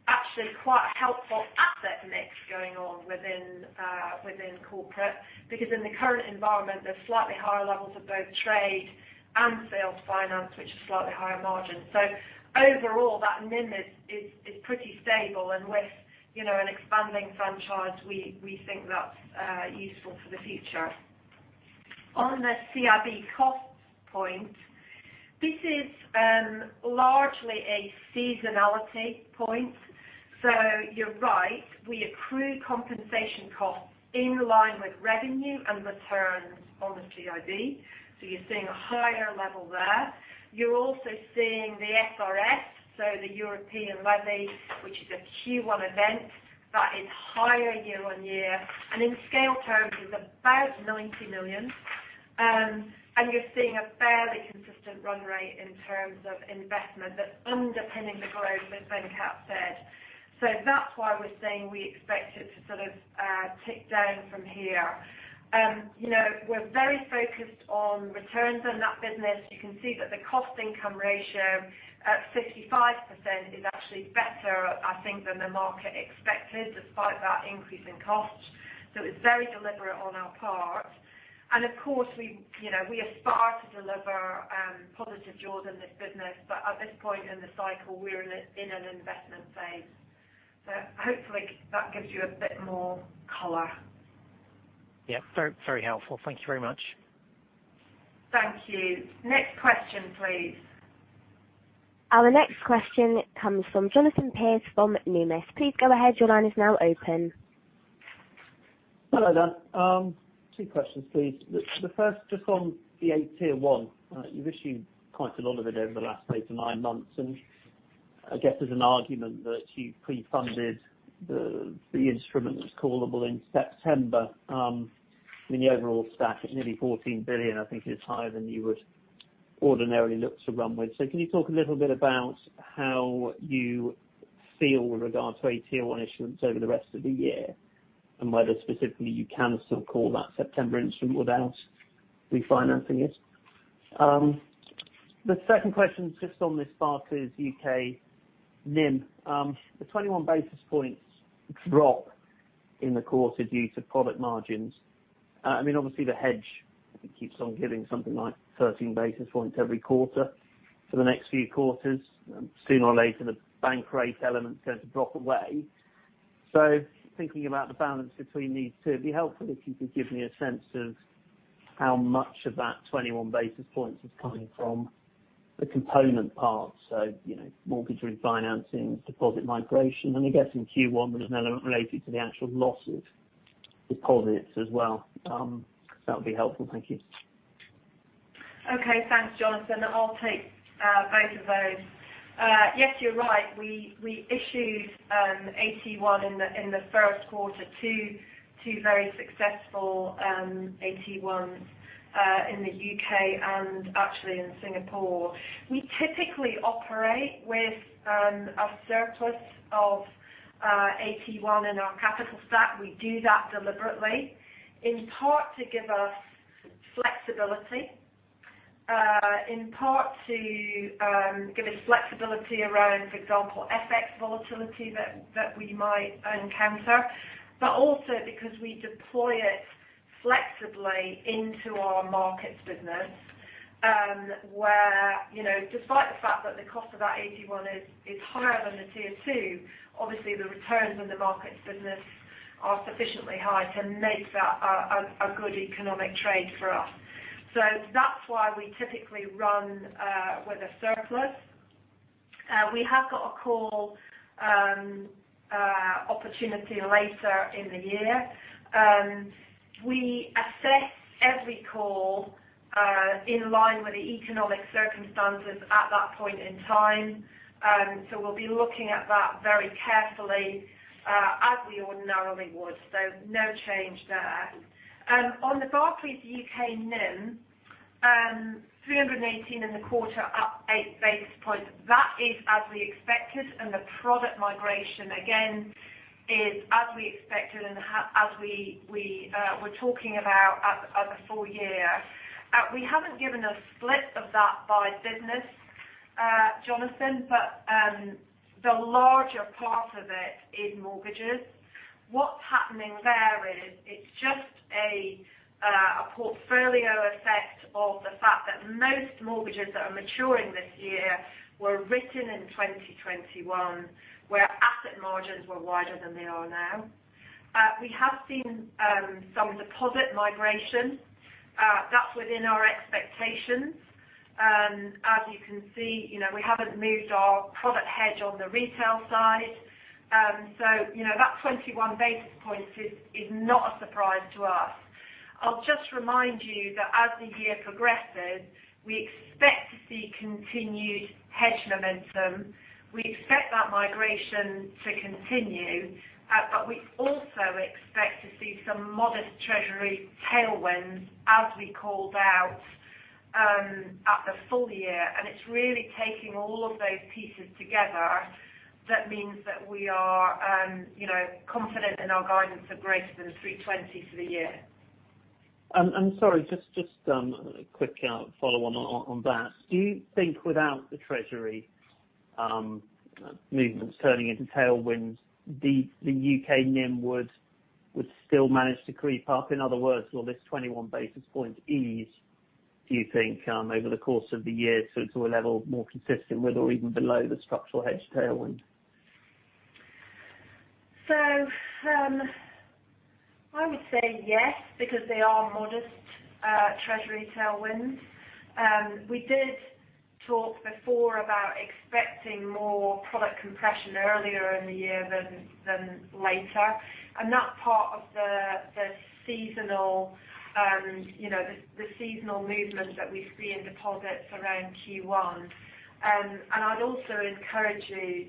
actually quite a helpful asset mix going on within corporate, because in the current environment, there's slightly higher levels of both trade and sales finance, which are slightly higher margin. Overall, that NIM is pretty stable. With, you know, an expanding franchise, we think that's useful for the future. On the CIB cost point, this is largely a seasonality point. You're right, we accrue compensation costs in line with revenue and returns on the CIB. You're seeing a higher level there. You're also seeing the SRF, so the European levy, which is a Q1 event that is higher year-on-year. In scale terms is about 90 million. You're seeing a fairly consistent run rate in terms of investment that's underpinning the growth that Venkat said. That's why we're saying we expect it to sort of tick down from here. You know, we're very focused on returns in that business. You can see that the cost income ratio at 55% is actually better, I think, than the market expected, despite that increase in costs. It's very deliberate on our part. Of course, we, you know, we aspire to deliver positive yields in this business, but at this point in the cycle, we're in a, in an investment phase. Hopefully that gives you a bit more color. Yeah. Very, very helpful. Thank you very much. Thank you. Next question, please. Our next question comes from Jonathan Pierce from Numis. Please go ahead. Your line is now open. Hello there. Two questions, please. The first just on the AT1. You've issued quite a lot of it over the last eight or nine months, and I guess there's an argument that you pre-funded the instrument that's callable in September. I mean, the overall stack at nearly 14 billion, I think is higher than you would ordinarily look to run with. Can you talk a little bit about how you feel with regard to AT1 issuance over the rest of the year and whether specifically you can still call that September instrument without refinancing it? The second question is just on this Barclays UK NIM. The 21 basis points drop in the quarter due to product margins. I mean, obviously, the hedge, I think, keeps on giving something like 13 basis points every quarter for the next few quarters. Sooner or later, the bank rate element is going to drop away. Thinking about the balance between these two, it'd be helpful if you could give me a sense of how much of that 21 basis points is coming from the component parts. You know, mortgage refinancing, deposit migration, and I guess in Q1 there was an element related to the actual loss of deposits as well. That would be helpful. Thank you. Okay. Thanks, Jonathan. I'll take both of those. Yes, you're right. We issued AT1 in the first quarter, two very successful AT1s in the U.K. and actually in Singapore. We typically operate with a surplus of AT1 in our capital stack. We do that deliberately, in part to give us flexibility, in part to give us flexibility around, for example, FX volatility that we might encounter, but also because we deploy it flexibly into our markets business, where, you know, despite the fact that the cost of that AT1 is higher than the Tier 2, obviously the returns in the markets business are sufficiently high to make that a good economic trade for us. That's why we typically run with a surplus. We have got a call opportunity later in the year. We assess every call in line with the economic circumstances at that point in time. We'll be looking at that very carefully as we ordinarily would. No change there. On the Barclays UK NIM, 318 in the quarter, up eight basis points. That is as we expected, and the product migration again is as we expected and as we were talking about at the full year. We haven't given a split of that by business, Jonathan, the larger part of it is mortgages. What's happening there is it's just a portfolio effect of the fact that most mortgages that are maturing this year were written in 2021, where asset margins were wider than they are now. We have seen some deposit migration. That's within our expectations. As you can see, you know, we haven't moved our product hedge on the retail side. You know, that 21 basis points is not a surprise to us. I'll just remind you that as the year progresses, we expect to see continued hedge momentum. We expect that migration to continue, but we also expect to see some modest treasury tailwinds as we called out at the full year. It's really taking all of those pieces together that means that we are, you know, confident in our guidance of greater than 3.20 for the year. I'm sorry, just a quick follow-on on that. Do you think without the treasury movements turning into tailwinds, the UK NIM would still manage to creep up? In other words, will this 21 basis points ease, do you think, over the course of the year so it's to a level more consistent with or even below the structural hedge tailwind? I would say yes, because they are modest treasury tailwinds. We did talk before about expecting more product compression earlier in the year than later. That's part of the seasonal, you know, the seasonal movement that we see in deposits around Q1. I'd also encourage you,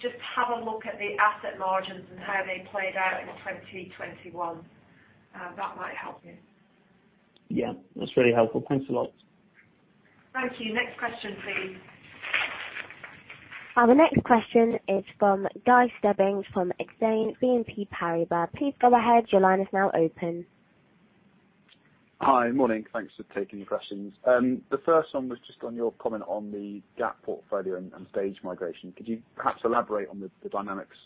just have a look at the asset margins and how they played out in 2021. That might help you. Yeah. That's really helpful. Thanks a lot. Thank you. Next question, please. Our next question is from Guy Stebbings from Exane BNP Paribas. Please go ahead. Your line is now open. Hi. Morning. Thanks for taking the questions. The first one was just on your comment on the Gap portfolio and stage migration. Could you perhaps elaborate on the dynamics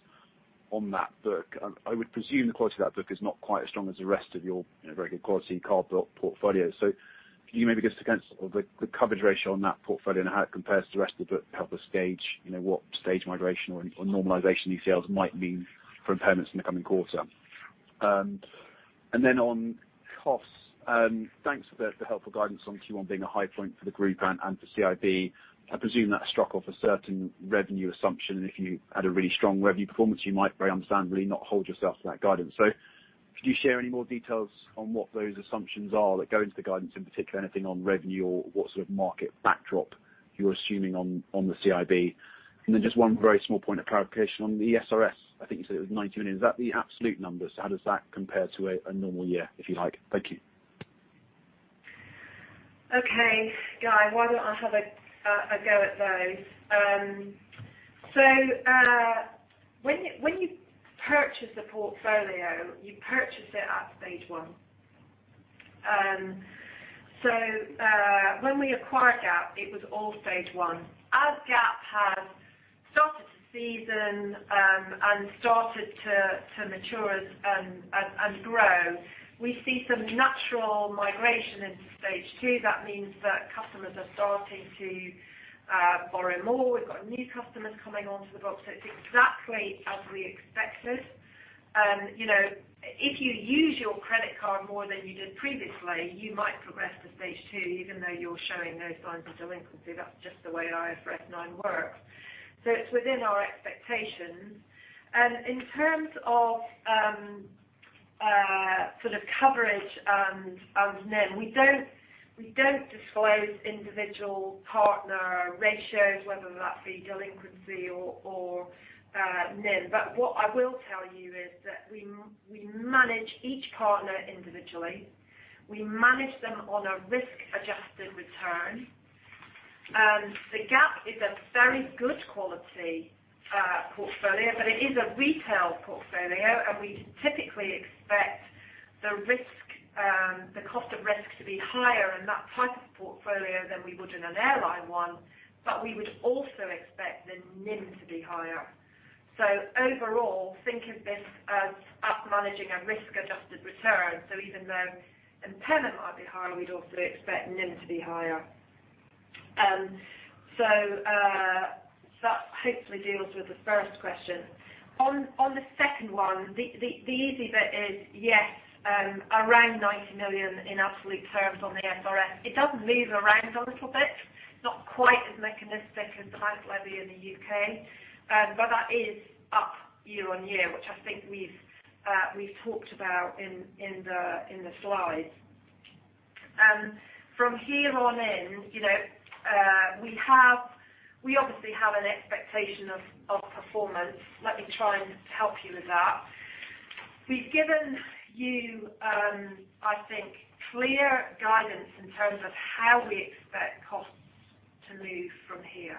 on that book? I would presume the quality of that book is not quite as strong as the rest of your, you know, very good quality card book portfolio. Can you maybe give us a sense of the coverage ratio on that portfolio and how it compares to the rest of the book, help us gauge, you know, what stage migration or normalization in sales might mean for impairments in the coming quarter. Then on costs. Thanks for the helpful guidance on Q1 being a high point for the group and for CIB. I presume that struck off a certain revenue assumption, and if you had a really strong revenue performance, you might very understandably not hold yourself to that guidance. Could you share any more details on what those assumptions are that go into the guidance, in particular, anything on revenue or what sort of market backdrop you're assuming on the CIB? Then just one very small point of clarification on the SRS. I think you said it was 90 million. Is that the absolute number? How does that compare to a normal year, if you like? Thank you. Okay, Guy, why don't I have a go at those. When you purchase a portfolio, you purchase it at stage one. When we acquired Gap, it was all stage one. As Gap has started to season and started to mature as grow, we see some natural migration into stage two. That means that customers are starting to borrow more. We've got new customers coming onto the books. It's exactly as we expected. You know, if you use your credit card more than you did previously, you might progress to stage two even though you're showing no signs of delinquency. That's just the way IFRS 9 works. It's within our expectations. In terms of sort of coverage and NIM, we don't disclose individual partner ratios, whether that be delinquency or NIM. What I will tell you is that we manage each partner individually. We manage them on a risk-adjusted return. The Gap is a very good quality portfolio, but it is a retail portfolio, and we typically expect the risk, the cost of risk to be higher in that type of portfolio than we would in an airline one, but we would also expect the NIM to be higher. Overall, think of this as us managing a risk-adjusted return. Even though impairment might be higher, we'd also expect NIM to be higher. That hopefully deals with the first question. The second one, the easy bit is, yes, 90 million in absolute terms on the SRS. It does move around a little bit. It's not quite as mechanistic as the bank levy in the UK. That is up year-on-year, which I think we've talked about in the slides. Here on in, you know, we obviously have an expectation of performance. Let me try and help you with that. We've given you, I think, clear guidance in terms of how we expect costs to move from here.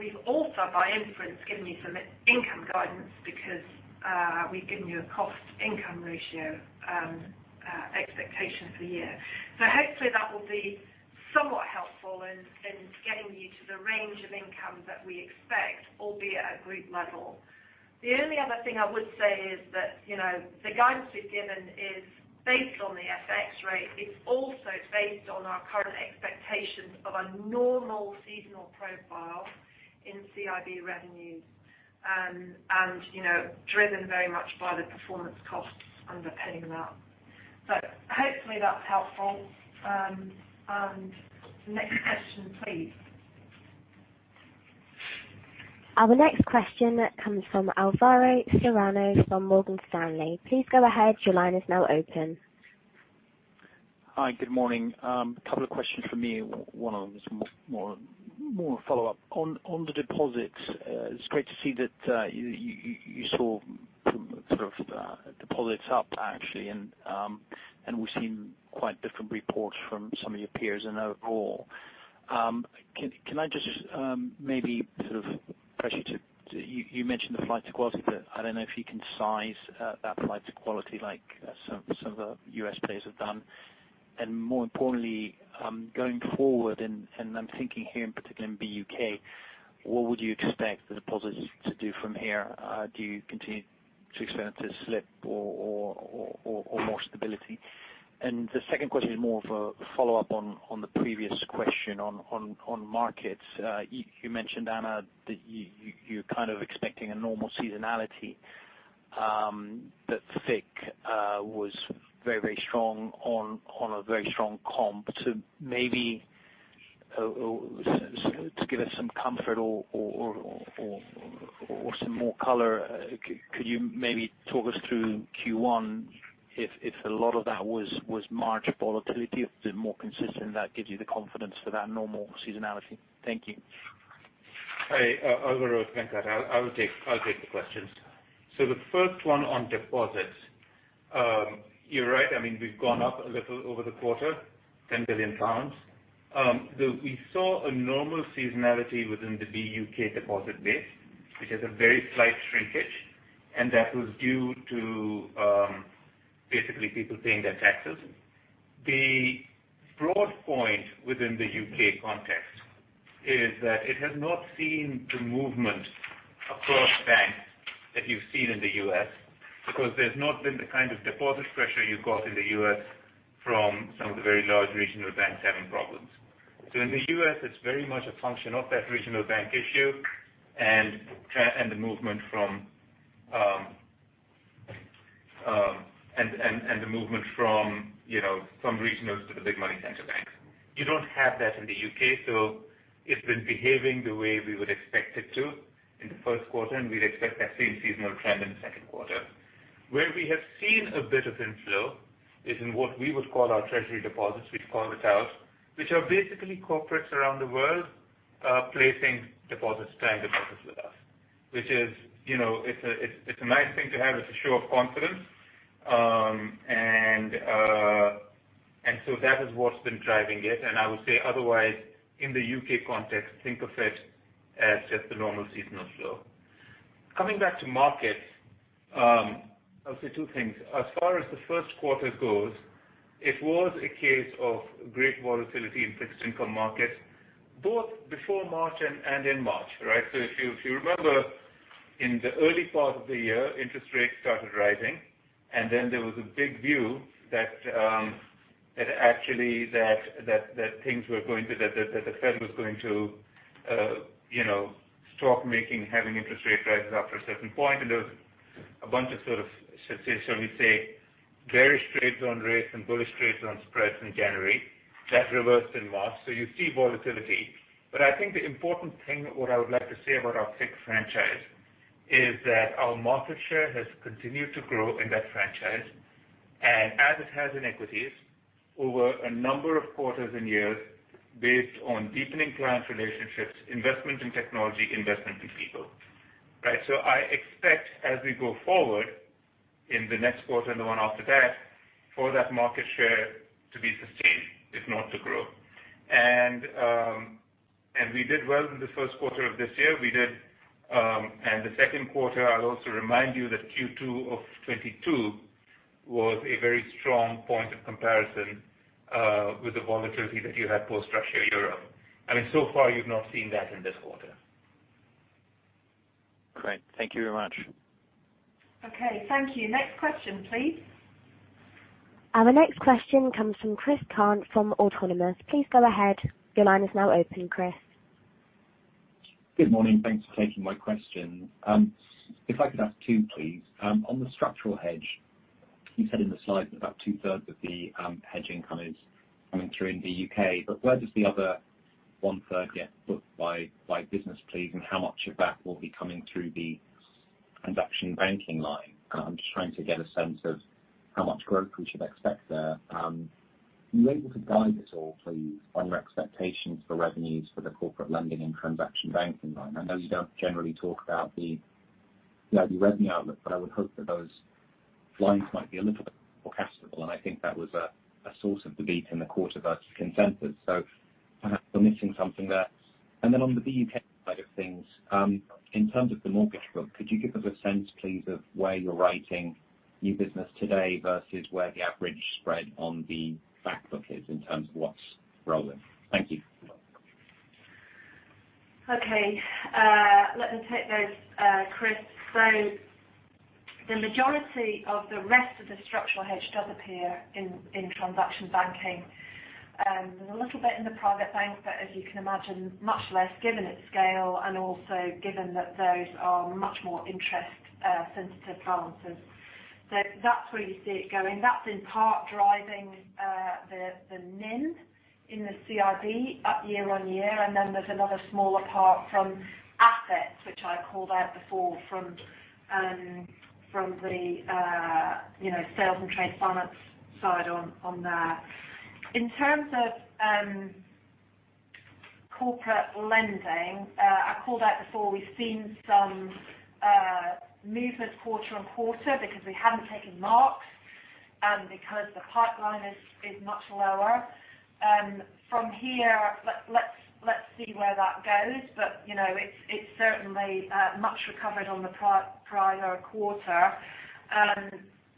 We've also, by inference, given you some income guidance because we've given you a cost-income ratio expectation for the year. Hopefully that will be somewhat helpful in getting you to the range of income that we expect, albeit at group level. The only other thing I would say is that, you know, the guidance we've given is based on the FX rate. It's also based on our current expectations of a normal seasonal profile in CIB revenues, and, you know, driven very much by the performance costs underpinning that. Hopefully that's helpful. Next question, please. Our next question comes from Alvaro Serrano from Morgan Stanley. Please go ahead. Your line is now open. Hi, good morning. A couple of questions from me. One of them is more a follow-up. On the deposits, it's great to see that you saw deposits up actually, and we've seen quite different reports from some of your peers and overall. Can I just maybe press you to You mentioned the flight to quality, but I don't know if you can size that flight to quality like some of the US players have done. More importantly, going forward, and I'm thinking here in particular in BUK, what would you expect the deposits to do from here? Do you continue to expect it to slip or more stability? The second question is more of a follow-up on the previous question on markets. You mentioned, Anna, that you're kind of expecting a normal seasonality, but FICC was very strong on a very strong comp. Maybe, to give us some comfort or some more color, could you maybe talk us through Q1 if a lot of that was March volatility? If they're more consistent, that gives you the confidence for that normal seasonality. Thank you. Hey, Alvaro, thank you. I'll take the questions. The first one on deposits, you're right. I mean, we've gone up a little over the quarter, 10 billion pounds. We saw a normal seasonality within the BUK deposit base, which is a very slight shrinkage, and that was due to basically people paying their taxes. The broad point within the UK context is that it has not seen the movement across banks that you've seen in the US because there's not been the kind of deposit pressure you got in the US from some of the very large regional banks having problems. In the US, it's very much a function of that regional bank issue and the movement from, you know, from regionals to the big money center banks. You don't have that in the U.K., it's been behaving the way we would expect it to in the first quarter, and we'd expect that same seasonal trend in the second quarter. Where we have seen a bit of inflow is in what we would call our treasury deposits, which call it out, which are basically corporates around the world, placing deposits, time deposits with us, which is, you know, it's a nice thing to have. It's a show of confidence. That is what's been driving it. I would say otherwise, in the U.K. context, think of it as just a normal seasonal flow. Coming back to markets, I'll say two things. As far as the first quarter goes, it was a case of great volatility in fixed income markets, both before March and in March, right? If you, if you remember, in the early part of the year, interest rates started rising, there was a big view that actually that things were going to. The Fed was going to, you know, stop having interest rate rises after a certain point. There was a bunch of sort of, shall we say, bearish trades on rates and bullish trades on spreads in January. That reversed in March. You see volatility. I think the important thing, what I would like to say about our FICC franchise is that our market share has continued to grow in that franchise, and as it has in equities over a number of quarters and years based on deepening client relationships, investment in technology, investment in people, right? I expect as we go forward in the next quarter and the one after that, for that market share to be sustained, if not to grow. We did well in the first quarter of this year. We did, and the second quarter, I'll also remind you that Q2 of 2022 was a very strong point of comparison with the volatility that you had post-structure Europe. I mean, so far you've not seen that in this quarter. Great. Thank you very much. Okay. Thank you. Next question, please. Our next question comes from Chris Cant from Autonomous. Please go ahead. Your line is now open, Chris. Good morning. Thanks for taking my question. If I could ask two, please. On the structural hedge, you said in the slide that about 2/3 of the hedge income is coming through in the UK. Where does the other 1/3 get booked by business, please? How much of that will be coming through the transaction banking line? I'm just trying to get a sense of how much growth we should expect there. Are you able to guide us all, please, on your expectations for revenues for the corporate lending and transaction banking line? I know you don't generally talk about the, you know, the revenue outlook, but I would hope that those lines might be a little bit more castable, and I think that was a source of debate in the quarter versus consensus. Perhaps we're missing something there. On the BUK side of things, in terms of the mortgage book, could you give us a sense, please, of where you're writing new business today versus where the average spread on the back book is in terms of what's rolling? Thank you. Okay. Let me take those, Chris. The majority of the rest of the structural hedge does appear in transaction banking. There's a little bit in the private bank, but as you can imagine, much less given its scale and also given that those are much more interest sensitive balances. That's where you see it going. That's in part driving the NIM in the CRD up year-on-year. Then there's another smaller part from assets, which I called out before from the, you know, sales and trade finance side on there. In terms of corporate lending, I called out before, we've seen some movement quarter-on-quarter because we haven't taken marks because the pipeline is much lower. From here, let's see where that goes. You know, it's certainly much recovered on the prior quarter.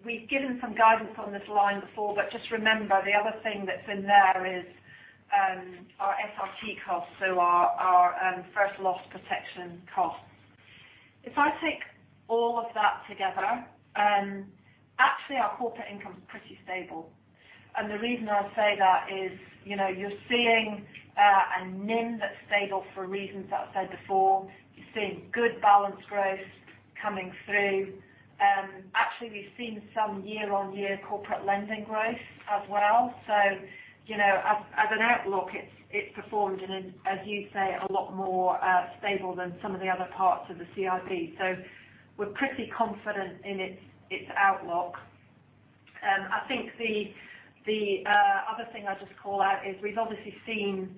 We've given some guidance on this line before, just remember the other thing that's in there is our SRT costs, so our first loss protection costs. If I take all of that together, actually our corporate income is pretty stable. The reason I say that is, you know, you're seeing a NIM that's stable for reasons that I've said before. You're seeing good balance growth coming through. Actually, we've seen some year-on-year corporate lending growth as well. You know, as an outlook, it's performed in an, as you say, a lot more stable than some of the other parts of the CRD. We're pretty confident in its outlook. I think the other thing I'd just call out is we've obviously seen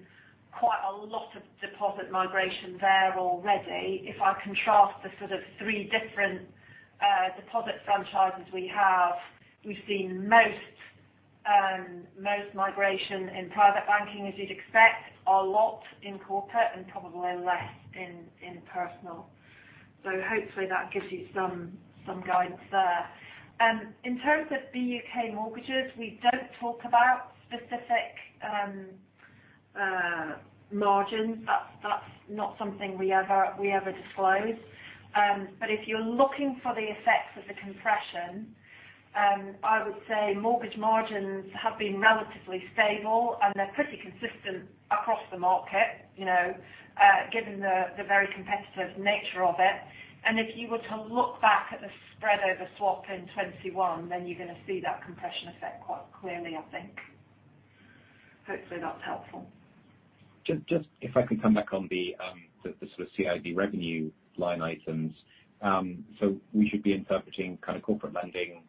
quite a lot of deposit migration there already. If I contrast the sort of three different deposit franchises we have, we've seen most migration in private banking, as you'd expect, a lot in corporate and probably less in personal. Hopefully that gives you some guidance there. In terms of BUK mortgages, we don't talk about specific margins. That's not something we ever disclose. If you're looking for the effects of the compression, I would say mortgage margins have been relatively stable, and they're pretty consistent across the market, you know, given the very competitive nature of it. If you were to look back at the spread over swap in 2021, then you're gonna see that compression effect quite clearly, I think. Hopefully that's helpful. Just if I can come back on the sort of CIB revenue line items. We should be interpreting kind of corporate lending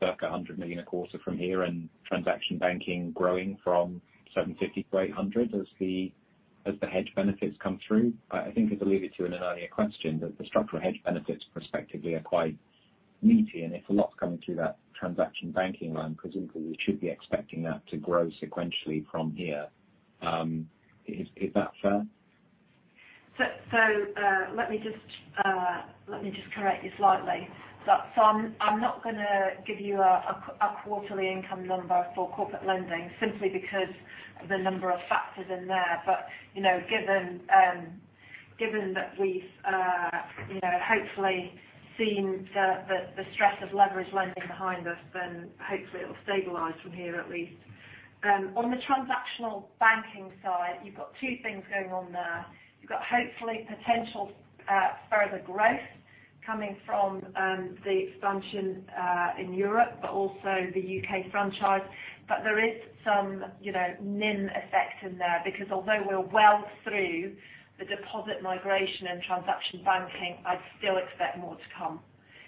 circa 100 million a quarter from here and transaction banking growing from 750-800 as the hedge benefits come through. I think as alluded to in an earlier question, that the structural hedge benefits prospectively are quite meaty. If a lot's coming through that transaction banking line, presumably we should be expecting that to grow sequentially from here. Is that fair? Let me just correct you slightly. I'm not gonna give you a quarterly income number for corporate lending simply because of the number of factors in there. You know, given that we've, you know, hopefully seen the stress of leverage lending behind us, then hopefully it'll stabilize from here, at least. On the transaction banking side, you've got two things going on there. You've got hopefully potential further growth coming from the expansion in Europe, but also the UK franchise. There is some, you know, NIM effect in there, because although we're well through the deposit migration and transaction banking, I'd still expect more to come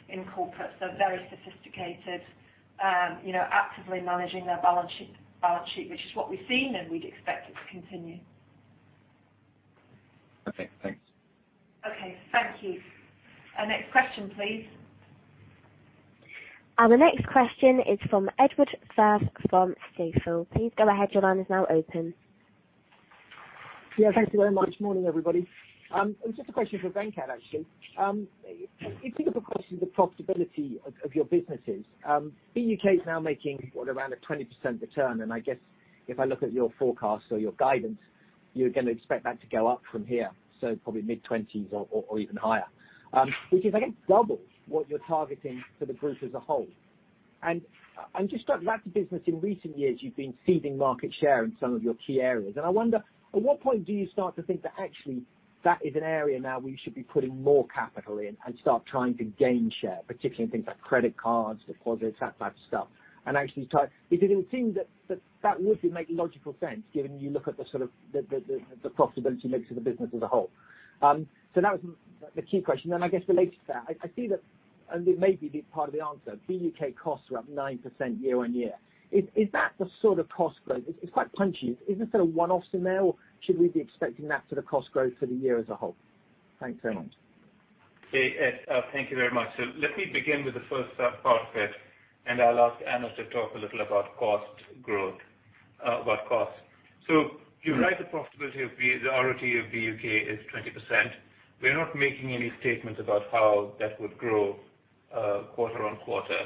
in corporate. Very sophisticated, you know, actively managing their balance sheet, which is what we've seen, and we'd expect it to continue. Okay, thanks. Okay, thank you. Next question please. The next question is from Edward Firth from Stifel. Please go ahead. Your line is now open. Yeah, thank you very much. Morning, everybody. Just a question for Venkat, actually. If you think of across the profitability of your businesses, BUK is now making what around a 20% return, and I guess if I look at your forecast or your guidance, you're gonna expect that to go up from here, so probably mid-20s or even higher. Which is I think double what you're targeting for the group as a whole. Just going back to business, in recent years you've been ceding market share in some of your key areas. I wonder at what point do you start to think that actually that is an area now we should be putting more capital in and start trying to gain share, particularly in things like credit cards, deposits, that type of stuff. Actually try. It would seem that that would make logical sense given you look at the sort of the profitability mix of the business as a whole. That was the key question. I guess related to that, I see that, and it may be part of the answer, BUK costs are up 9% year-on-year. Is that the sort of cost growth? It's quite punchy. Is this sort of one-off now, or should we be expecting that sort of cost growth for the year as a whole? Thanks very much. Okay, Ed, thank you very much. Let me begin with the first part of it, and I'll ask Anna to talk a little about cost growth, about costs. You're right, the profitability of the ROT of BUK is 20%. We are not making any statements about how that would grow, quarter on quarter.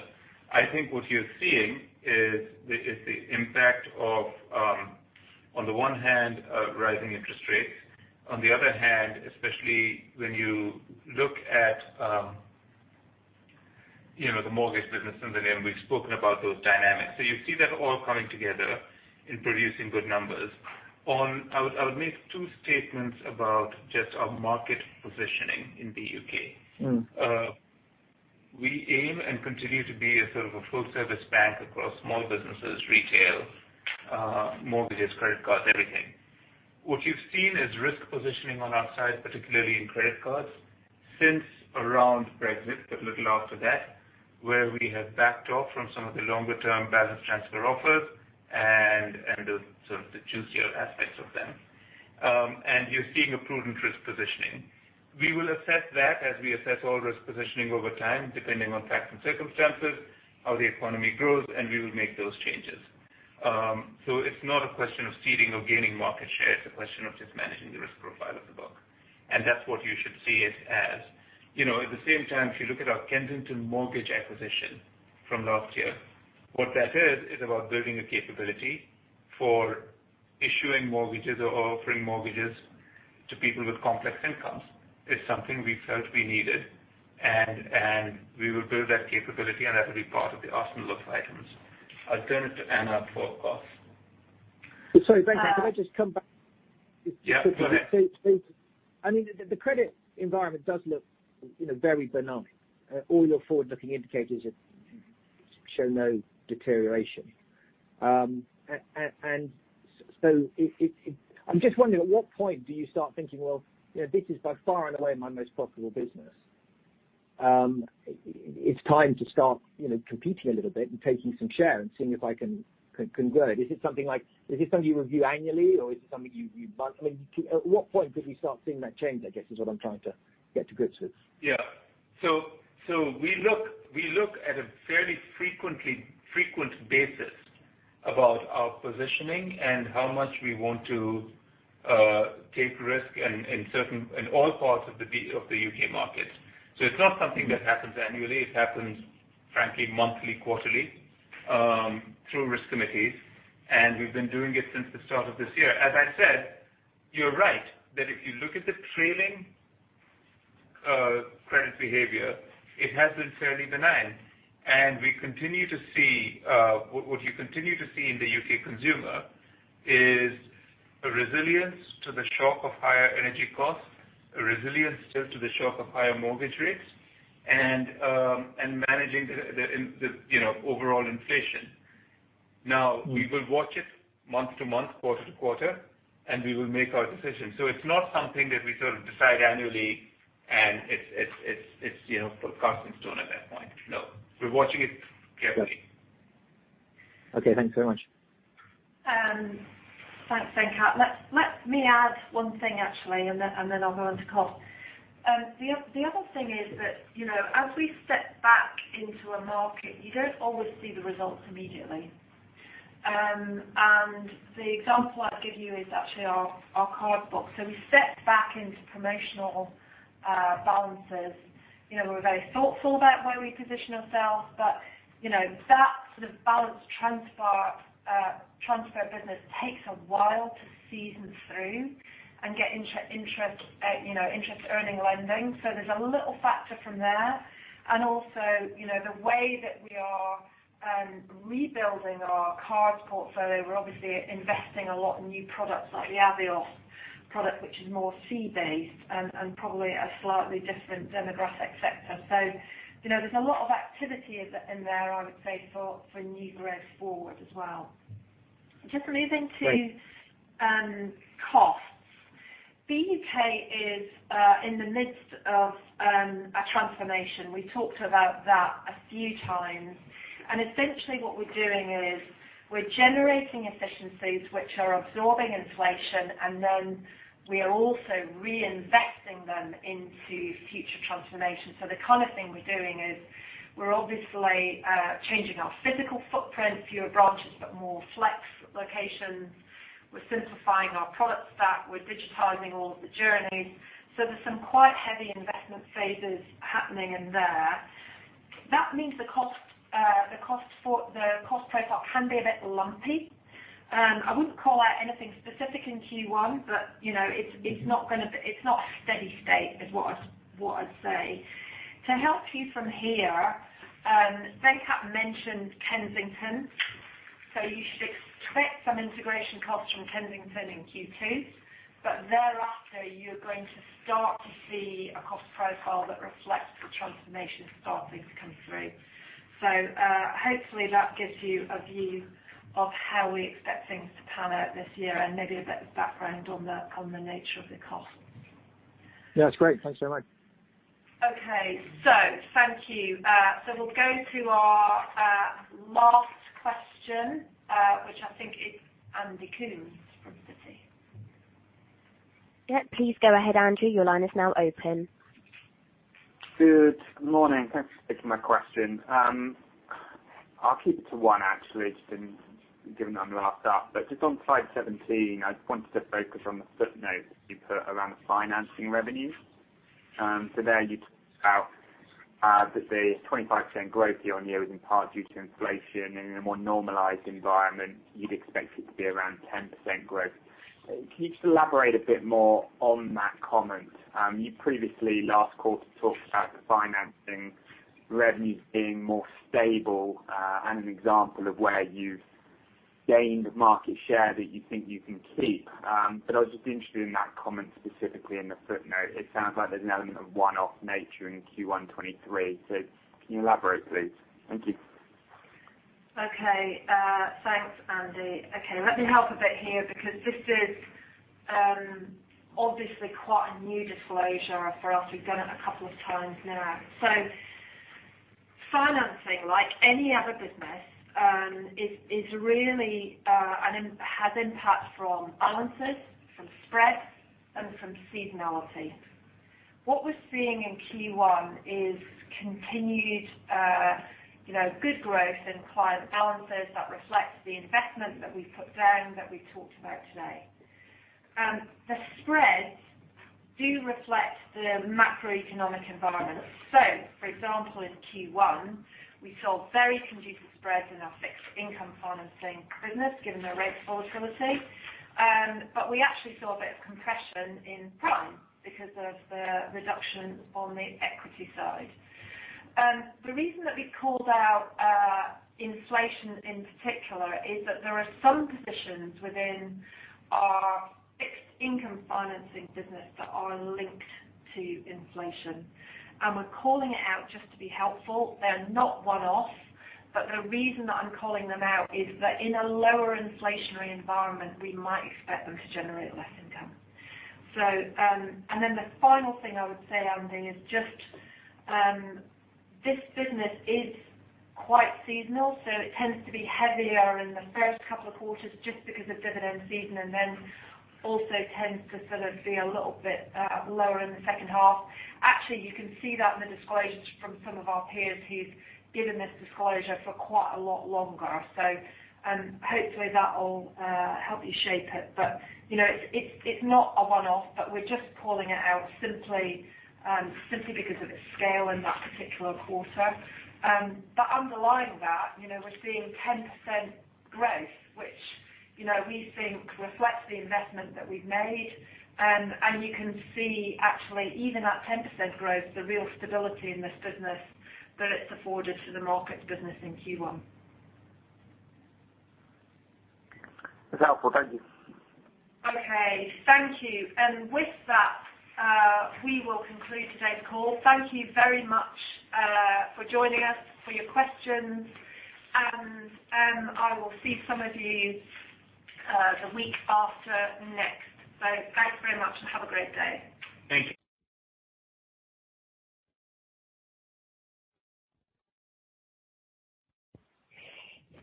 I think what you're seeing is the impact of, on the one hand, rising interest rates. On the other hand, especially when you look at, you know, the mortgage business in the NIM, we've spoken about those dynamics. You see that all coming together and producing good numbers. I would make two statements about just our market positioning in BUK. Mm. We aim and continue to be a sort of a full service bank across small businesses, retail, mortgages, credit cards, everything. What you've seen is risk positioning on our side, particularly in credit cards, since around Brexit, but a little after that, where we have backed off from some of the longer term balance transfer offers and the sort of the juicier aspects of them. You're seeing a prudent risk positioning. We will assess that as we assess all risk positioning over time, depending on facts and circumstances, how the economy grows, and we will make those changes. It's not a question of ceding or gaining market share. It's a question of just managing the risk profile of the book. That's what you should see it as. You know, at the same time, if you look at our Kensington Mortgages acquisition from last year, what that is about building a capability for issuing mortgages or offering mortgages to people with complex incomes. It's something we felt we needed and we will build that capability and that will be part of the arsenal of items. I'll turn it to Anna for costs. Sorry, Venkat, can I just come back? Yeah, go ahead. I mean, the credit environment does look, you know, very benign. All your forward-looking indicators are, show no deterioration. I'm just wondering, at what point do you start thinking, well, you know, this is by far and away my most profitable business. It's time to start, you know, competing a little bit and taking some share and seeing if I can convert. Is it something you review annually, or is it something you but, I mean, at what point did we start seeing that change, I guess, is what I'm trying to get to grips with? We look at a fairly frequent basis about our positioning and how much we want to take risk in certain, in all parts of the UK market. It's not something that happens annually. It happens, frankly, monthly, quarterly, through risk committees, and we've been doing it since the start of this year. As I said, you're right that if you look at the trailing credit behavior, it has been fairly benign. We continue to see what you continue to see in the UK consumer is a resilience to the shock of higher energy costs, a resilience still to the shock of higher mortgage rates, and managing the, you know, overall inflation. We will watch it month to month, quarter to quarter, and we will make our decision. It's not something that we sort of decide annually, and it's, you know, cast in stone at that point. No. We're watching it carefully. Okay, thanks very much. Thanks, Venkat. Let me add one thing, actually, and then I'll go on to cost. The other thing is that, you know, as we step back into a market, you don't always see the results immediately. The example I'll give you is actually our card book. We stepped back into promotional balances. You know, we're very thoughtful about where we position ourselves, but, you know, that sort of balance transfer business takes a while to season through and get interest, you know, interest earning lending. There's a little factor from there. Also, you know, the way that we are rebuilding our card portfolio, we're obviously investing a lot in new products like the Avios product, which is more fee based and probably a slightly different demographic sector you know, there's a lot of activity in there, I would say, for new growth forward as well. Great. Just moving to costs, BUK is in the midst of a transformation. We talked about that a few times. Essentially what we're doing is we're generating efficiencies which are absorbing inflation, we are also reinvesting them into future transformation. The kind of thing we're doing is we're obviously changing our physical footprint, fewer branches, but more flex locations. We're simplifying our product stack. We're digitizing all of the journeys. There's some quite heavy investment phases happening in there. That means the cost profile can be a bit lumpy. I wouldn't call out anything specific in Q1, but, you know, it's not steady state is what I'd say. To help you from here, Venkat mentioned Kensington, you should expect some integration costs from Kensington in Q2. Thereafter, you're going to start to see a cost profile that reflects the transformation starting to come through. Hopefully that gives you a view of how we expect things to pan out this year and maybe a bit of background on the nature of the costs. Yeah, it's great. Thanks very much. Okay. Thank you. We'll go to our last question, which I think is Andy Coombs from Citi. Yeah, please go ahead, Andrew. Your line is now open. Good morning. Thanks for taking my question. I'll keep it to one, actually, just in, given that I'm last up. Just on slide 17, I just wanted to focus on the footnote you put around the financing revenues. There you talk about that the 25% growth year-over-year was in part due to inflation and in a more normalized environment you'd expect it to be around 10% growth. Can you just elaborate a bit more on that comment? You previously last quarter talked about the financing revenues being more stable, and an example of where you've gained market share that you think you can keep. I was just interested in that comment specifically in the footnote. It sounds like there's an element of one-off nature in Q1 2023. Can you elaborate, please? Thank you. Okay. Thanks, Andy. Okay, let me help a bit here because this is obviously quite a new disclosure for us. We've done it a couple of times now. Financing, like any other business, is really an impact from balances, from spreads, and from seasonality. What we're seeing in Q1 is continued, you know, good growth in client balances that reflects the investment that we've put down that we've talked about today. The spreads do reflect the macroeconomic environment. For example, in Q1 we saw very conducive spreads in our fixed income financing business given the rates volatility. We actually saw a bit of compression in prime because of the reduction on the equity side. The reason that we called out inflation in particular is that there are some positions within our fixed income financing business that are linked to inflation. We're calling it out just to be helpful. They're not one-off, but the reason that I'm calling them out is that in a lower inflationary environment, we might expect them to generate less income. The final thing I would say, Andy, is just this business is quite seasonal, so it tends to be heavier in the first couple of quarters just because of dividend season, and also tends to sort of be a little bit lower in the second half. Actually, you can see that in the disclosures from some of our peers who've given this disclosure for quite a lot longer. Hopefully that will help you shape it. You know, it's not a one-off, but we're just calling it out simply because of its scale in that particular quarter. Underlying that, you know, we're seeing 10% growth, which, you know, we think reflects the investment that we've made. You can see actually even at 10% growth, the real stability in this business that it's afforded to the markets business in Q1. That's helpful. Thank you. Okay. Thank you. With that, we will conclude today's call. Thank you very much for joining us, for your questions. I will see some of you the week after next. Thanks very much and have a great day. Thank you.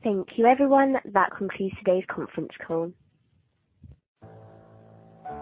Thank you, everyone. That concludes today's conference call.